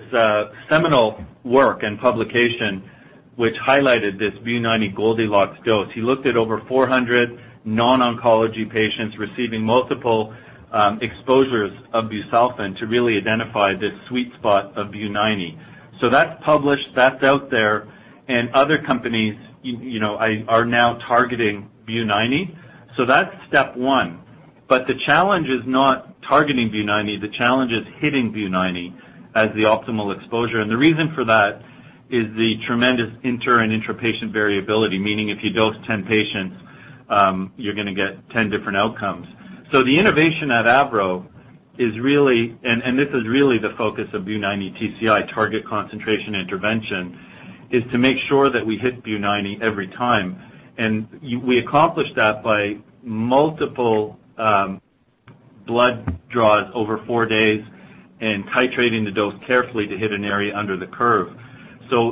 seminal work and publication which highlighted this Bu90 Goldilocks dose. He looked at over 400 non-oncology patients receiving multiple exposures of busulfan to really identify this sweet spot of Bu90. That's published, that's out there, and other companies are now targeting Bu90. That's step one. The challenge is not targeting Bu90. The challenge is hitting Bu90 as the optimal exposure. The reason for that is the tremendous inter- and intra-patient variability, meaning if you dose 10 patients, you're going to get 10 different outcomes. The innovation at AVRO, and this is really the focus of Bu90-TCI, Target Concentration Intervention, is to make sure that we hit Bu90 every time. We accomplish that by multiple blood draws over four days and titrating the dose carefully to hit an area under the curve.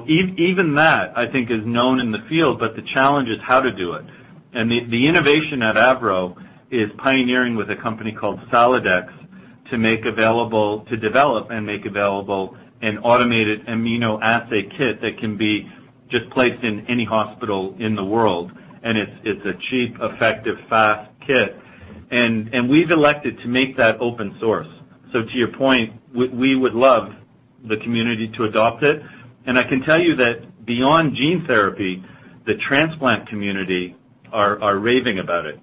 Even that, I think, is known in the field, but the challenge is how to do it. The innovation at AVRO is pioneering with a company called Saladax to develop and make available an automated immunoassay kit that can be just placed in any hospital in the world. It's a cheap, effective, fast kit. We've elected to make that open source. To your point, we would love the community to adopt it. I can tell you that beyond gene therapy, the transplant community are raving about it.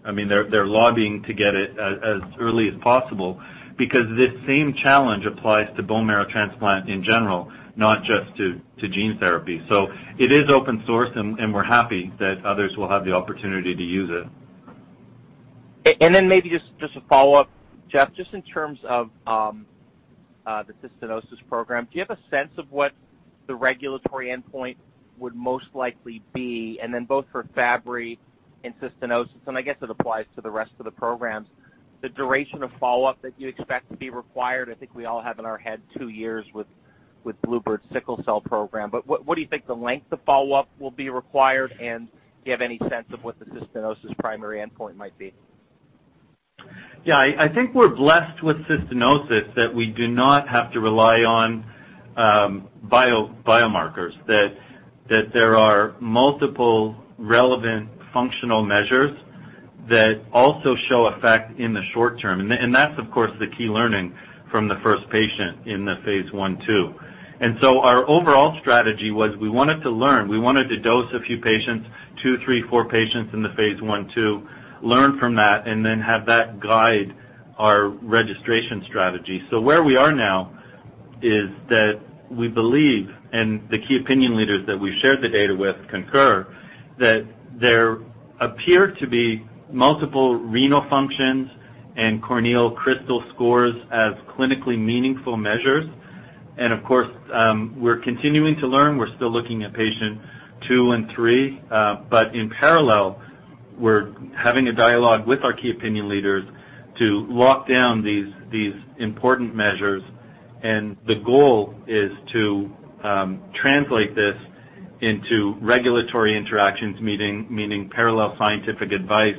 They're lobbying to get it as early as possible because this same challenge applies to bone marrow transplant in general, not just to gene therapy. It is open source, and we're happy that others will have the opportunity to use it. Then maybe just a follow-up, Geoff, just in terms of the cystinosis program, do you have a sense of what the regulatory endpoint would most likely be? Then both for Fabry and cystinosis, and I guess it applies to the rest of the programs, the duration of follow-up that you expect to be required. I think we all have in our head two years with bluebird bio's sickle cell program. What do you think the length of follow-up will be required? Do you have any sense of what the cystinosis primary endpoint might be? Yeah, I think we're blessed with cystinosis that we do not have to rely on biomarkers, that there are multiple relevant functional measures that also show effect in the short term. That's, of course, the key learning from the first patient in the phase I/phase II. Our overall strategy was we wanted to learn, we wanted to dose a few patients, two, three, four patients in the phase I/phase II, learn from that, and then have that guide our registration strategy. Where we are now is that we believe, and the key opinion leaders that we shared the data with concur, that there appear to be multiple renal functions and corneal crystal scores as clinically meaningful measures. Of course, we're continuing to learn. We're still looking at patient two and three. In parallel, we're having a dialogue with our key opinion leaders to lock down these important measures. The goal is to translate this into regulatory interactions, meaning parallel scientific advice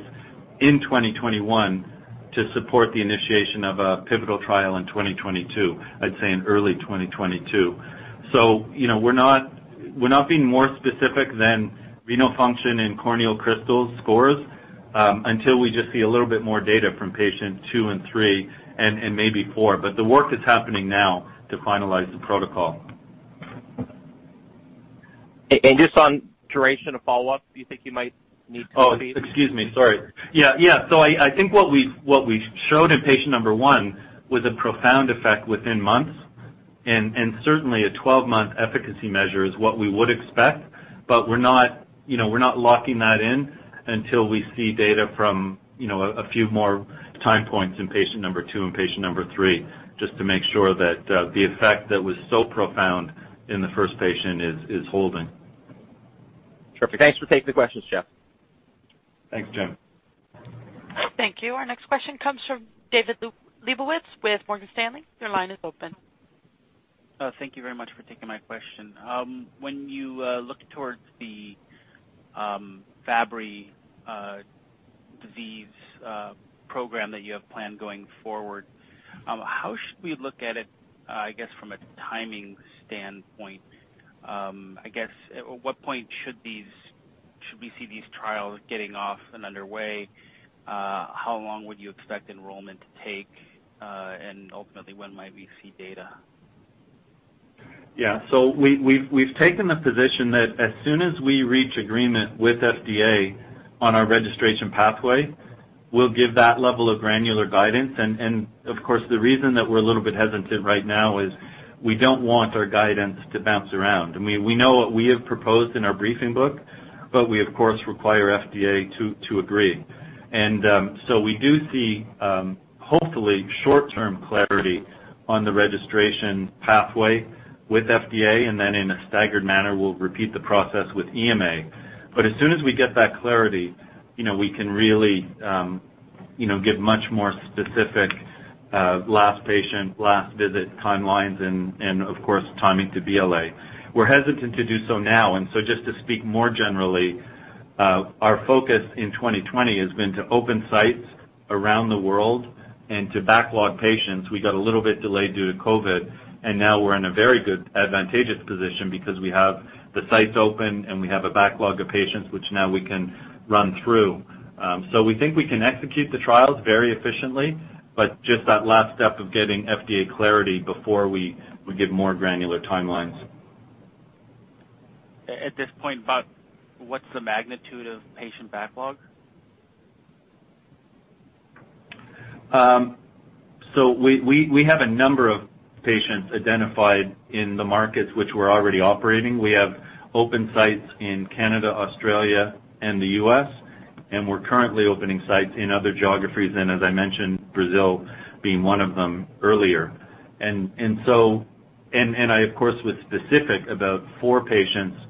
in 2021 to support the initiation of a pivotal trial in 2022. I'd say in early 2022. We're not being more specific than renal function and corneal crystal scores, until we just see a little bit more data from patient 2 and 3 and maybe 4. The work is happening now to finalize the protocol. Just on duration of follow-up, do you think you might need? Oh, excuse me. Sorry. Yeah. I think what we showed in patient 1 was a profound effect within months, and certainly a 12-month efficacy measure is what we would expect. We're not locking that in until we see data from a few more time points in patient 2 and patient 3, just to make sure that the effect that was so profound in the first patient is holding. Terrific. Thanks for taking the questions, Jeff. Thanks, Jim. Thank you. Our next question comes from David Lebowitz with Morgan Stanley. Your line is open. Thank you very much for taking my question. When you look towards the Fabry disease program that you have planned going forward, how should we look at it, I guess, from a timing standpoint? I guess, at what point should we see these trials getting off and underway? How long would you expect enrollment to take? Ultimately, when might we see data? We've taken the position that as soon as we reach agreement with FDA on our registration pathway, we'll give that level of granular guidance. Of course, the reason that we're a little bit hesitant right now is we don't want our guidance to bounce around. We know what we have proposed in our briefing book, we of course, require FDA to agree. We do see, hopefully, short-term clarity on the registration pathway with FDA, then in a staggered manner, we'll repeat the process with EMA. As soon as we get that clarity, we can really give much more specific last patient, last visit timelines and of course, timing to BLA. We're hesitant to do so now, just to speak more generally, our focus in 2020 has been to open sites around the world and to backlog patients. We got a little bit delayed due to COVID, and now we're in a very good advantageous position because we have the sites open and we have a backlog of patients, which now we can run through. We think we can execute the trials very efficiently, but just that last step of getting FDA clarity before we give more granular timelines. At this point, about what's the magnitude of patient backlog? We have a number of patients identified in the markets which we're already operating. We have open sites in Canada, Australia, and the U.S. We're currently opening sites in other geographies. As I mentioned, Brazil being one of them earlier. I, of course, was specific about 4 patients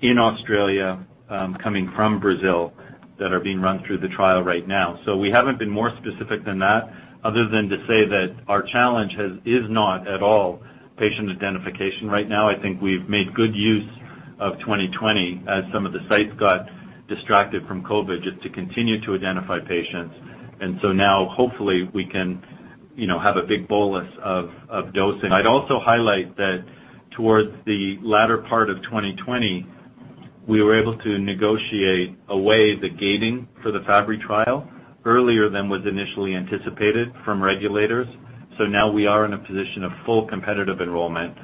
in Australia, coming from Brazil, that are being run through the trial right now. We haven't been more specific than that, other than to say that our challenge is not at all patient identification right now. I think we've made good use of 2020 as some of the sites got distracted from COVID, just to continue to identify patients. Now hopefully we can have a big bolus of dosing. I'd also highlight that towards the latter part of 2020, we were able to negotiate away the gating for the Fabry trial earlier than was initially anticipated from regulators. Now we are in a position of full competitive enrollment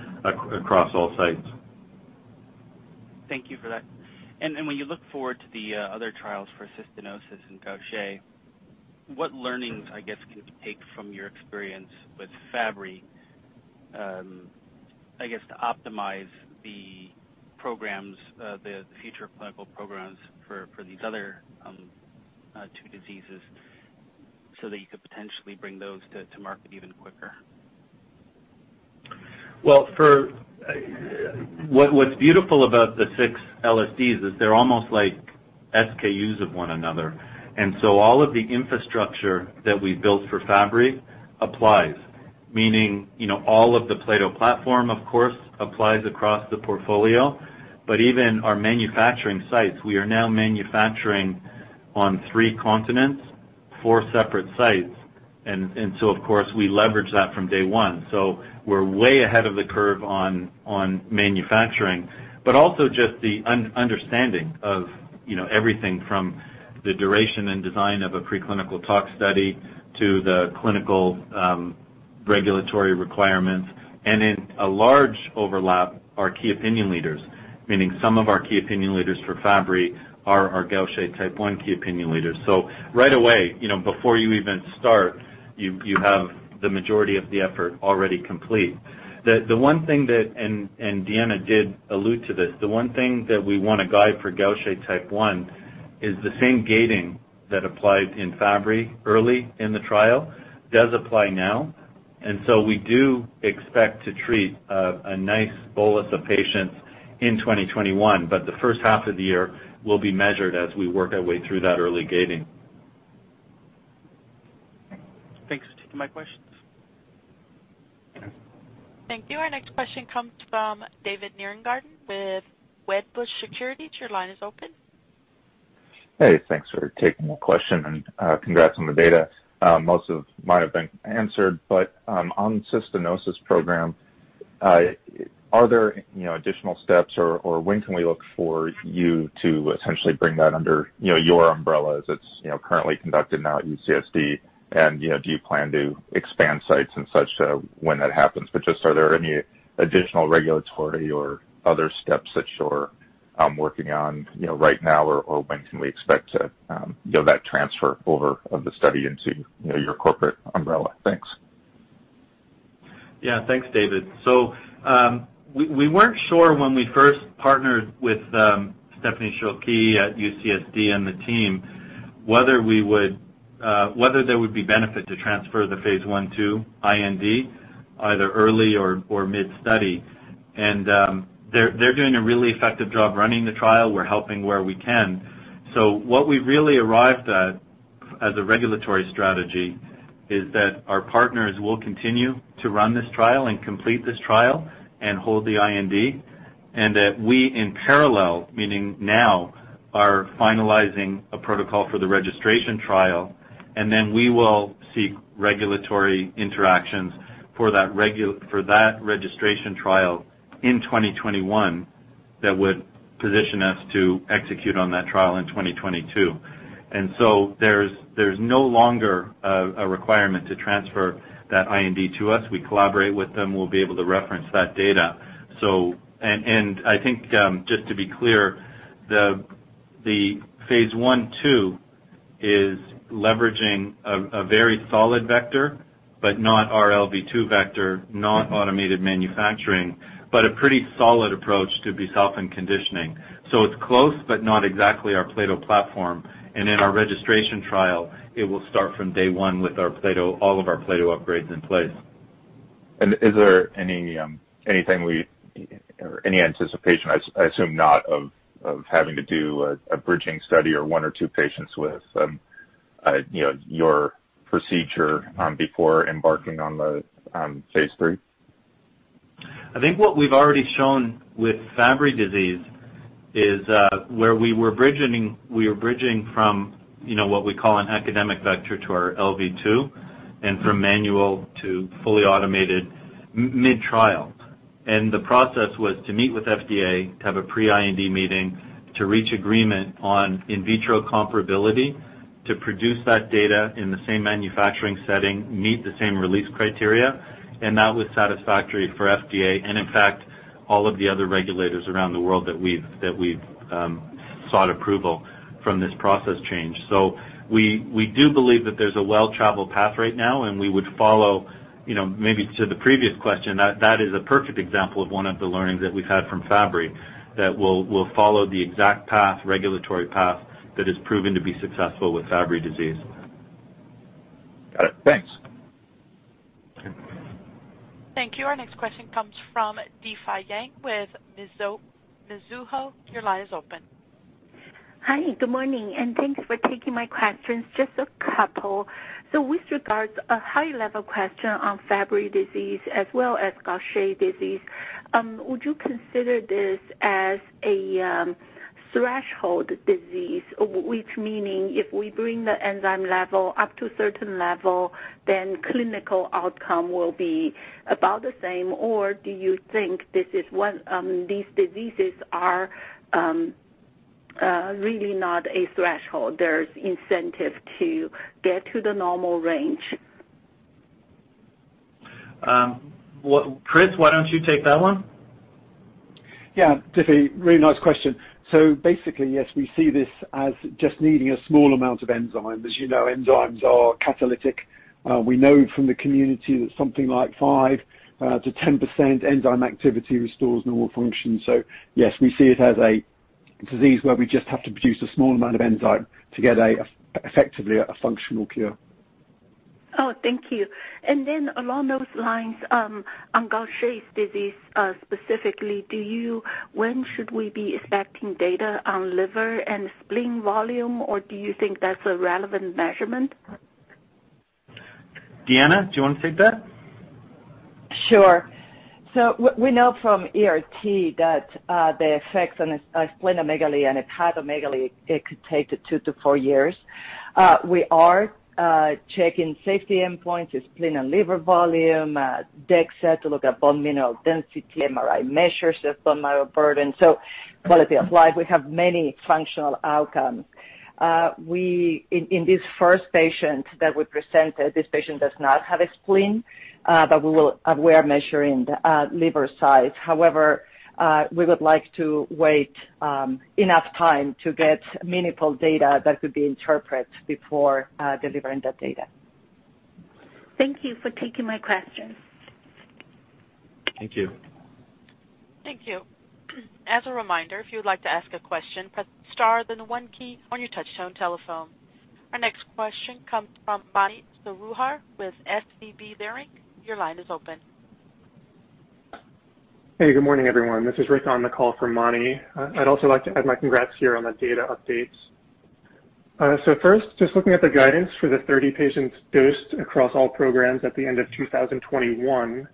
across all sites. Thank you for that. When you look forward to the other trials for cystinosis and Gaucher, what learnings, I guess, can you take from your experience with Fabry, I guess, to optimize the future clinical programs for these other two diseases so that you could potentially bring those to market even quicker? Well, what's beautiful about the six LSDs is they're almost like SKUs of one another. All of the infrastructure that we built for Fabry applies, meaning all of the Plato platform, of course, applies across the portfolio. Even our manufacturing sites, we are now manufacturing on three continents, four separate sites. Of course, we leverage that from day one. We're way ahead of the curve on manufacturing, but also just the understanding of everything from the duration and design of a preclinical tox study to the clinical regulatory requirements. In a large overlap, our key opinion leaders, meaning some of our key opinion leaders for Fabry are our Gaucher type 1 key opinion leaders. Right away, before you even start, you have the majority of the effort already complete. Diana did allude to this. The one thing that we want to guide for Gaucher type 1 is the same gating that applied in Fabry early in the trial does apply now. We do expect to treat a nice bolus of patients in 2021. The first half of the year will be measured as we work our way through that early gating. Thanks for taking my questions. Okay. Thank you. Our next question comes from David Nierengarten with Wedbush Securities. Your line is open. Hey, thanks for taking the question and congrats on the data. Most of it might have been answered, but on cystinosis program, are there additional steps or when can we look for you to essentially bring that under your umbrella as it's currently conducted now at UCSD? Do you plan to expand sites and such when that happens? Just are there any additional regulatory or other steps that you're working on right now or when can we expect that transfer over of the study into your corporate umbrella? Thanks. Yeah. Thanks, David. We weren't sure when we first partnered with Stephanie Cherqui at UCSD and the team, whether there would be benefit to transfer the phase I/phase II IND either early or mid-study. They're doing a really effective job running the trial. We're helping where we can. What we've really arrived at as a regulatory strategy is that our partners will continue to run this trial and complete this trial and hold the IND, and that we, in parallel, meaning now, are finalizing a protocol for the registration trial, and then we will seek regulatory interactions for that registration trial in 2021 that would position us to execute on that trial in 2022. There's no longer a requirement to transfer that IND to us. We collaborate with them. We'll be able to reference that data. I think, just to be clear, the phase I/phase II is leveraging a very solid vector, but not our LV2 vector, not automated manufacturing, but a pretty solid approach to be safe and conditioning. It's close, but not exactly our plato platform. In our registration trial, it will start from day one with all of our plato upgrades in place. Is there any anticipation, I assume not, of having to do a bridging study or one or two patients with your procedure before embarking on the phase III? I think what we've already shown with Fabry disease is where we were bridging from what we call an academic vector to our LV2 and from manual to fully automated mid-trial. The process was to meet with FDA to have a pre-IND meeting to reach agreement on in vitro comparability to produce that data in the same manufacturing setting, meet the same release criteria, and that was satisfactory for FDA and in fact, all of the other regulators around the world that we've sought approval from this process change. We do believe that there's a well-traveled path right now, and we would follow maybe to the previous question, that is a perfect example of one of the learnings that we've had from Fabry that we'll follow the exact regulatory path that has proven to be successful with Fabry disease. Got it. Thanks. Thank you. Our next question comes from Difei Yang with Mizuho. Your line is open. Hi, good morning, and thanks for taking my questions. Just a couple. With regards, a high-level question on Fabry disease as well as Gaucher disease, would you consider this as a threshold disease? Which meaning if we bring the enzyme level up to a certain level, then clinical outcome will be about the same, or do you think these diseases are really not a threshold, there's incentive to get to the normal range? Chris, why don't you take that one? Yeah. Difei, really nice question. Basically, yes, we see this as just needing a small amount of enzyme. As you know, enzymes are catalytic. We know from the community that something like 5%-10% enzyme activity restores normal function. Yes, we see it as a disease where we just have to produce a small amount of enzyme to get effectively a functional cure. Oh, thank you. Along those lines, on Gaucher disease specifically, when should we be expecting data on liver and spleen volume, or do you think that's a relevant measurement? Diana, do you want to take that? Sure. We know from ERT that the effects on splenomegaly and hepatomegaly, it could take two to four years. We are checking safety endpoints, your spleen and liver volume, DXA to look at bone mineral density, MRI measures of bone marrow burden. Quality of life, we have many functional outcomes. In this first patient that we presented, this patient does not have a spleen, but we are measuring the liver size. However, we would like to wait enough time to get meaningful data that could be interpreted before delivering that data. Thank you for taking my questions. Thank you. Thank you. As a reminder, if you'd like to ask a question, press star, then the 1 key on your touchtone telephone. Our next question comes from Mani Foroohar with SVB Leerink. Your line is open. Hey, good morning, everyone. This is Rick on the call for Mani. I'd also like to add my congrats here on the data updates. First, just looking at the guidance for the 30 patients dosed across all programs at the end of 2021.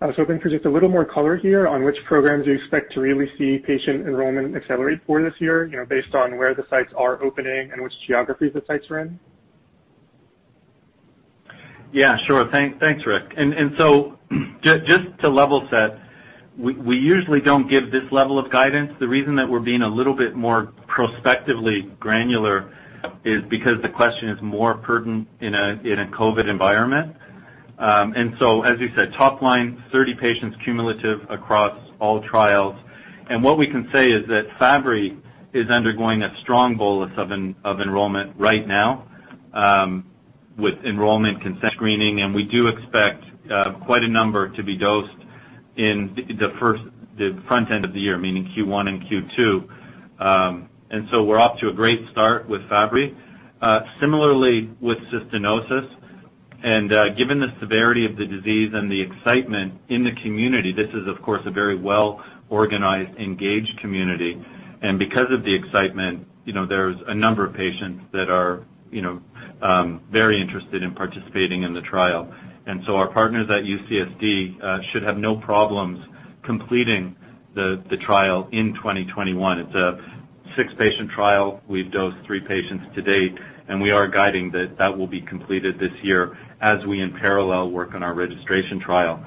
I was hoping for just a little more color here on which programs you expect to really see patient enrollment accelerate for this year based on where the sites are opening and which geographies the sites are in. Yeah, sure. Thanks, Rick. Just to level set, we usually don't give this level of guidance. The reason that we're being a little bit more prospectively granular is because the question is more pertinent in a COVID environment. As we said, top line, 30 patients cumulative across all trials. What we can say is that Fabry is undergoing a strong bolus of enrollment right now with enrollment consent screening, and we do expect quite a number to be dosed in the front end of the year, meaning Q1 and Q2. We're off to a great start with Fabry. Similarly with cystinosis, given the severity of the disease and the excitement in the community, this is, of course, a very well-organized, engaged community. Because of the excitement, there's a number of patients that are very interested in participating in the trial. Our partners at UCSD should have no problems completing the trial in 2021. It's a six-patient trial. We've dosed three patients to date, and we are guiding that that will be completed this year as we, in parallel, work on our registration trial.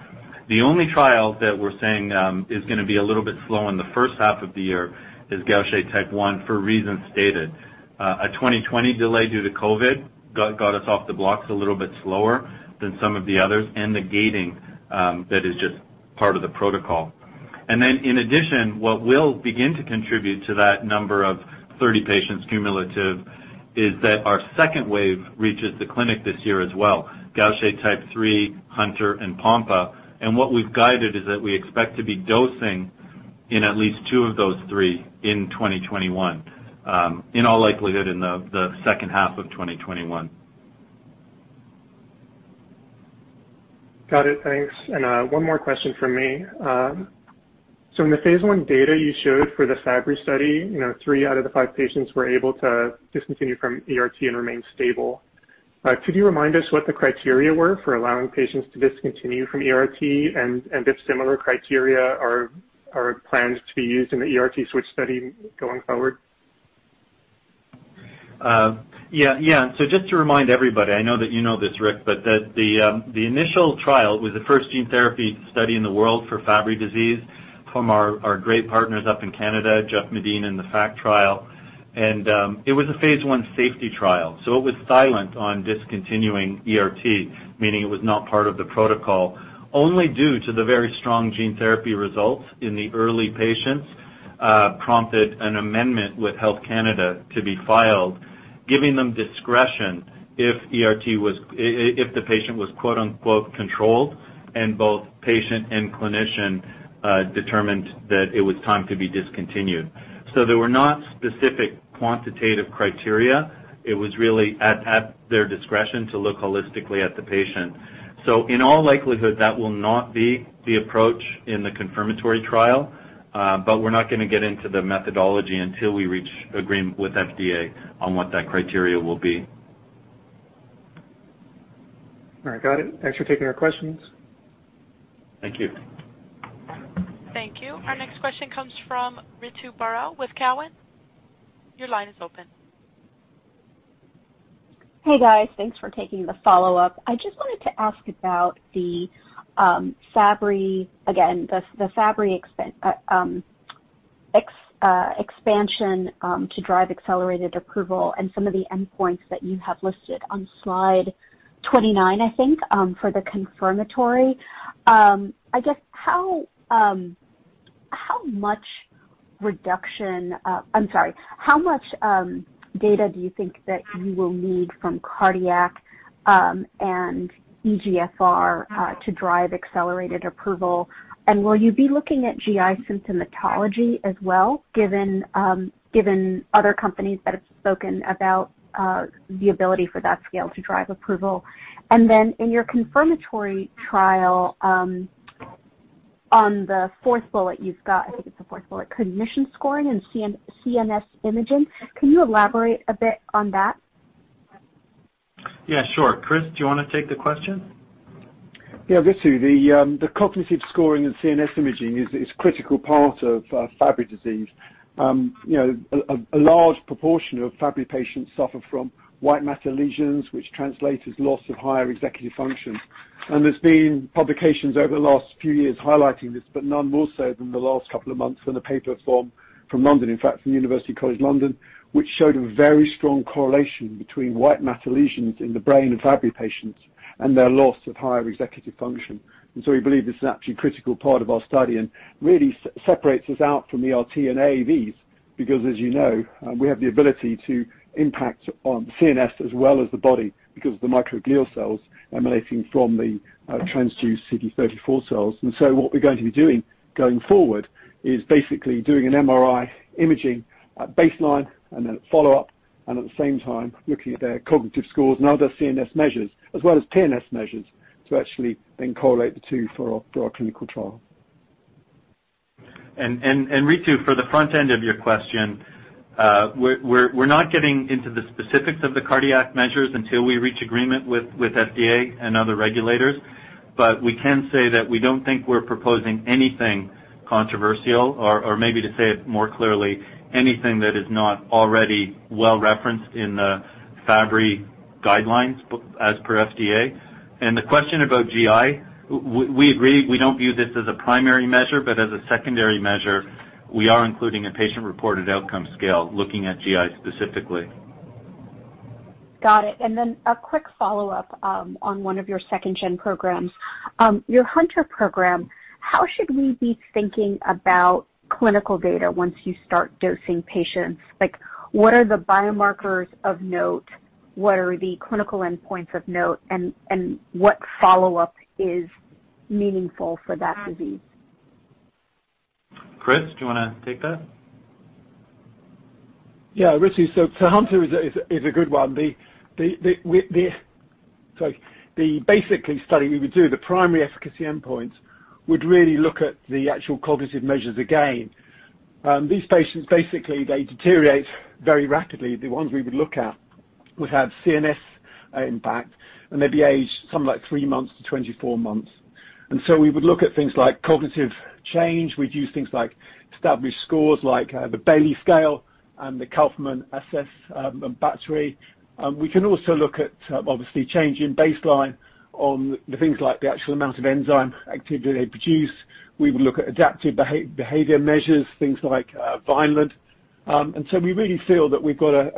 The only trial that we're saying is going to be a little bit slow in the first half of the year is Gaucher type 1 for reasons stated. A 2020 delay due to COVID got us off the blocks a little bit slower than some of the others. The gating that is just part of the protocol. In addition, what will begin to contribute to that number of 30 patients cumulative is that our second wave reaches the clinic this year as well, Gaucher type 3, Hunter, and Pompe. What we've guided is that we expect to be dosing in at least two of those three in 2021, in all likelihood in the second half of 2021. Got it. Thanks. One more question from me. In the phase I data you showed for the Fabry study, three out of the five patients were able to discontinue from ERT and remain stable. Could you remind us what the criteria were for allowing patients to discontinue from ERT, and if similar criteria are planned to be used in the ERT switch study going forward? Just to remind everybody, I know that you know this, Rick, but the initial trial was the first gene therapy study in the world for Fabry disease from our great partners up in Canada, Jeff Medin in the FACT trial. It was a phase I safety trial. It was silent on discontinuing ERT, meaning it was not part of the protocol. Only due to the very strong gene therapy results in the early patients prompted an amendment with Health Canada to be filed, giving them discretion if the patient was, quote-unquote, "controlled," and both patient and clinician determined that it was time to be discontinued. There were not specific quantitative criteria. It was really at their discretion to look holistically at the patient. In all likelihood, that will not be the approach in the confirmatory trial. We're not going to get into the methodology until we reach agreement with FDA on what that criteria will be. All right. Got it. Thanks for taking our questions. Thank you. Thank you. Our next question comes from Ritu Baral with Cowen. Your line is open. Hey, guys. Thanks for taking the follow-up. I just wanted to ask about the Fabry expansion to drive accelerated approval and some of the endpoints that you have listed on slide 29, I think, for the confirmatory. How much data do you think that you will need from cardiac and eGFR to drive accelerated approval, and will you be looking at GI symptomatology as well, given other companies that have spoken about the ability for that scale to drive approval? In your confirmatory trial, on the fourth bullet you've got, I think it's the fourth bullet, cognition scoring and CNS imaging. Can you elaborate a bit on that? Yeah, sure. Chris, do you want to take the question? Yeah, Ritu. The cognitive scoring and CNS imaging is critical part of Fabry disease. A large proportion of Fabry patients suffer from white matter lesions, which translate as loss of higher executive function. There's been publications over the last few years highlighting this, but none more so than the last couple of months than a paper from London, in fact, from University College London, which showed a very strong correlation between white matter lesions in the brain of Fabry patients and their loss of higher executive function. So we believe this is actually critical part of our study and really separates us out from ERT and AAVs because, as you know, we have the ability to impact on CNS as well as the body because of the microglial cells emanating from the transduced CD34 cells. What we're going to be doing going forward is basically doing an MRI imaging at baseline and then at follow-up, and at the same time, looking at their cognitive scores and other CNS measures as well as PNS measures to actually then correlate the two for our clinical trial. Ritu, for the front end of your question, we're not getting into the specifics of the cardiac measures until we reach agreement with FDA and other regulators. We can say that we don't think we're proposing anything controversial or maybe to say it more clearly, anything that is not already well-referenced in the Fabry guidelines as per FDA. The question about GI, we agree, we don't view this as a primary measure, but as a secondary measure, we are including a patient-reported outcome scale looking at GI specifically. Got it. A quick follow-up on one of your second-gen programs. Your Hunter program, how should we be thinking about clinical data once you start dosing patients? Like, what are the biomarkers of note, what are the clinical endpoints of note, and what follow-up is meaningful for that disease? Chris, do you want to take that? Yeah, Ritu. Hunter is a good one. The basic study we would do, the primary efficacy endpoint would really look at the actual cognitive measures again. These patients basically deteriorate very rapidly. The ones we would look at would have CNS impact, and they'd be aged something like three months to 24 months. We would look at things like cognitive change. We'd use things like established scores like the Bayley Scale and the Kaufman Assessment Battery. We can also look at, obviously, change in baseline on the things like the actual amount of enzyme activity they produce. We would look at adaptive behavior measures, things like Vineland. We really feel that we've got a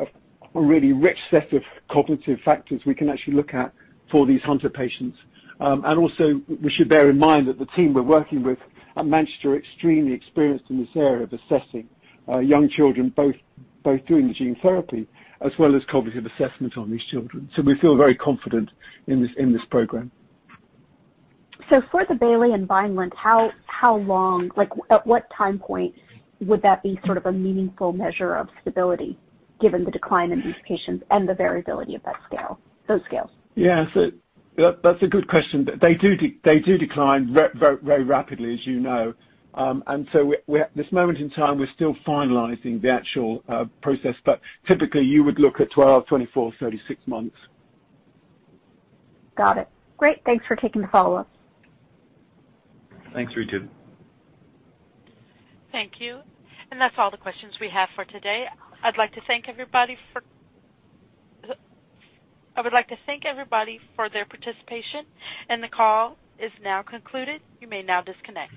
really rich set of cognitive factors we can actually look at for these Hunter patients. We should bear in mind that the team we're working with at Manchester are extremely experienced in this area of assessing young children, both doing the gene therapy as well as cognitive assessment on these children. We feel very confident in this program. For the Bayley and Vineland, at what time point would that be sort of a meaningful measure of stability given the decline in these patients and the variability of those scales? Yeah. That's a good question. They do decline very rapidly, as you know. At this moment in time, we're still finalizing the actual process. Typically you would look at 12, 24, 36 months. Got it. Great. Thanks for taking the follow-up. Thanks, Ritu. Thank you. That's all the questions we have for today. I would like to thank everybody for their participation, and the call is now concluded. You may now disconnect.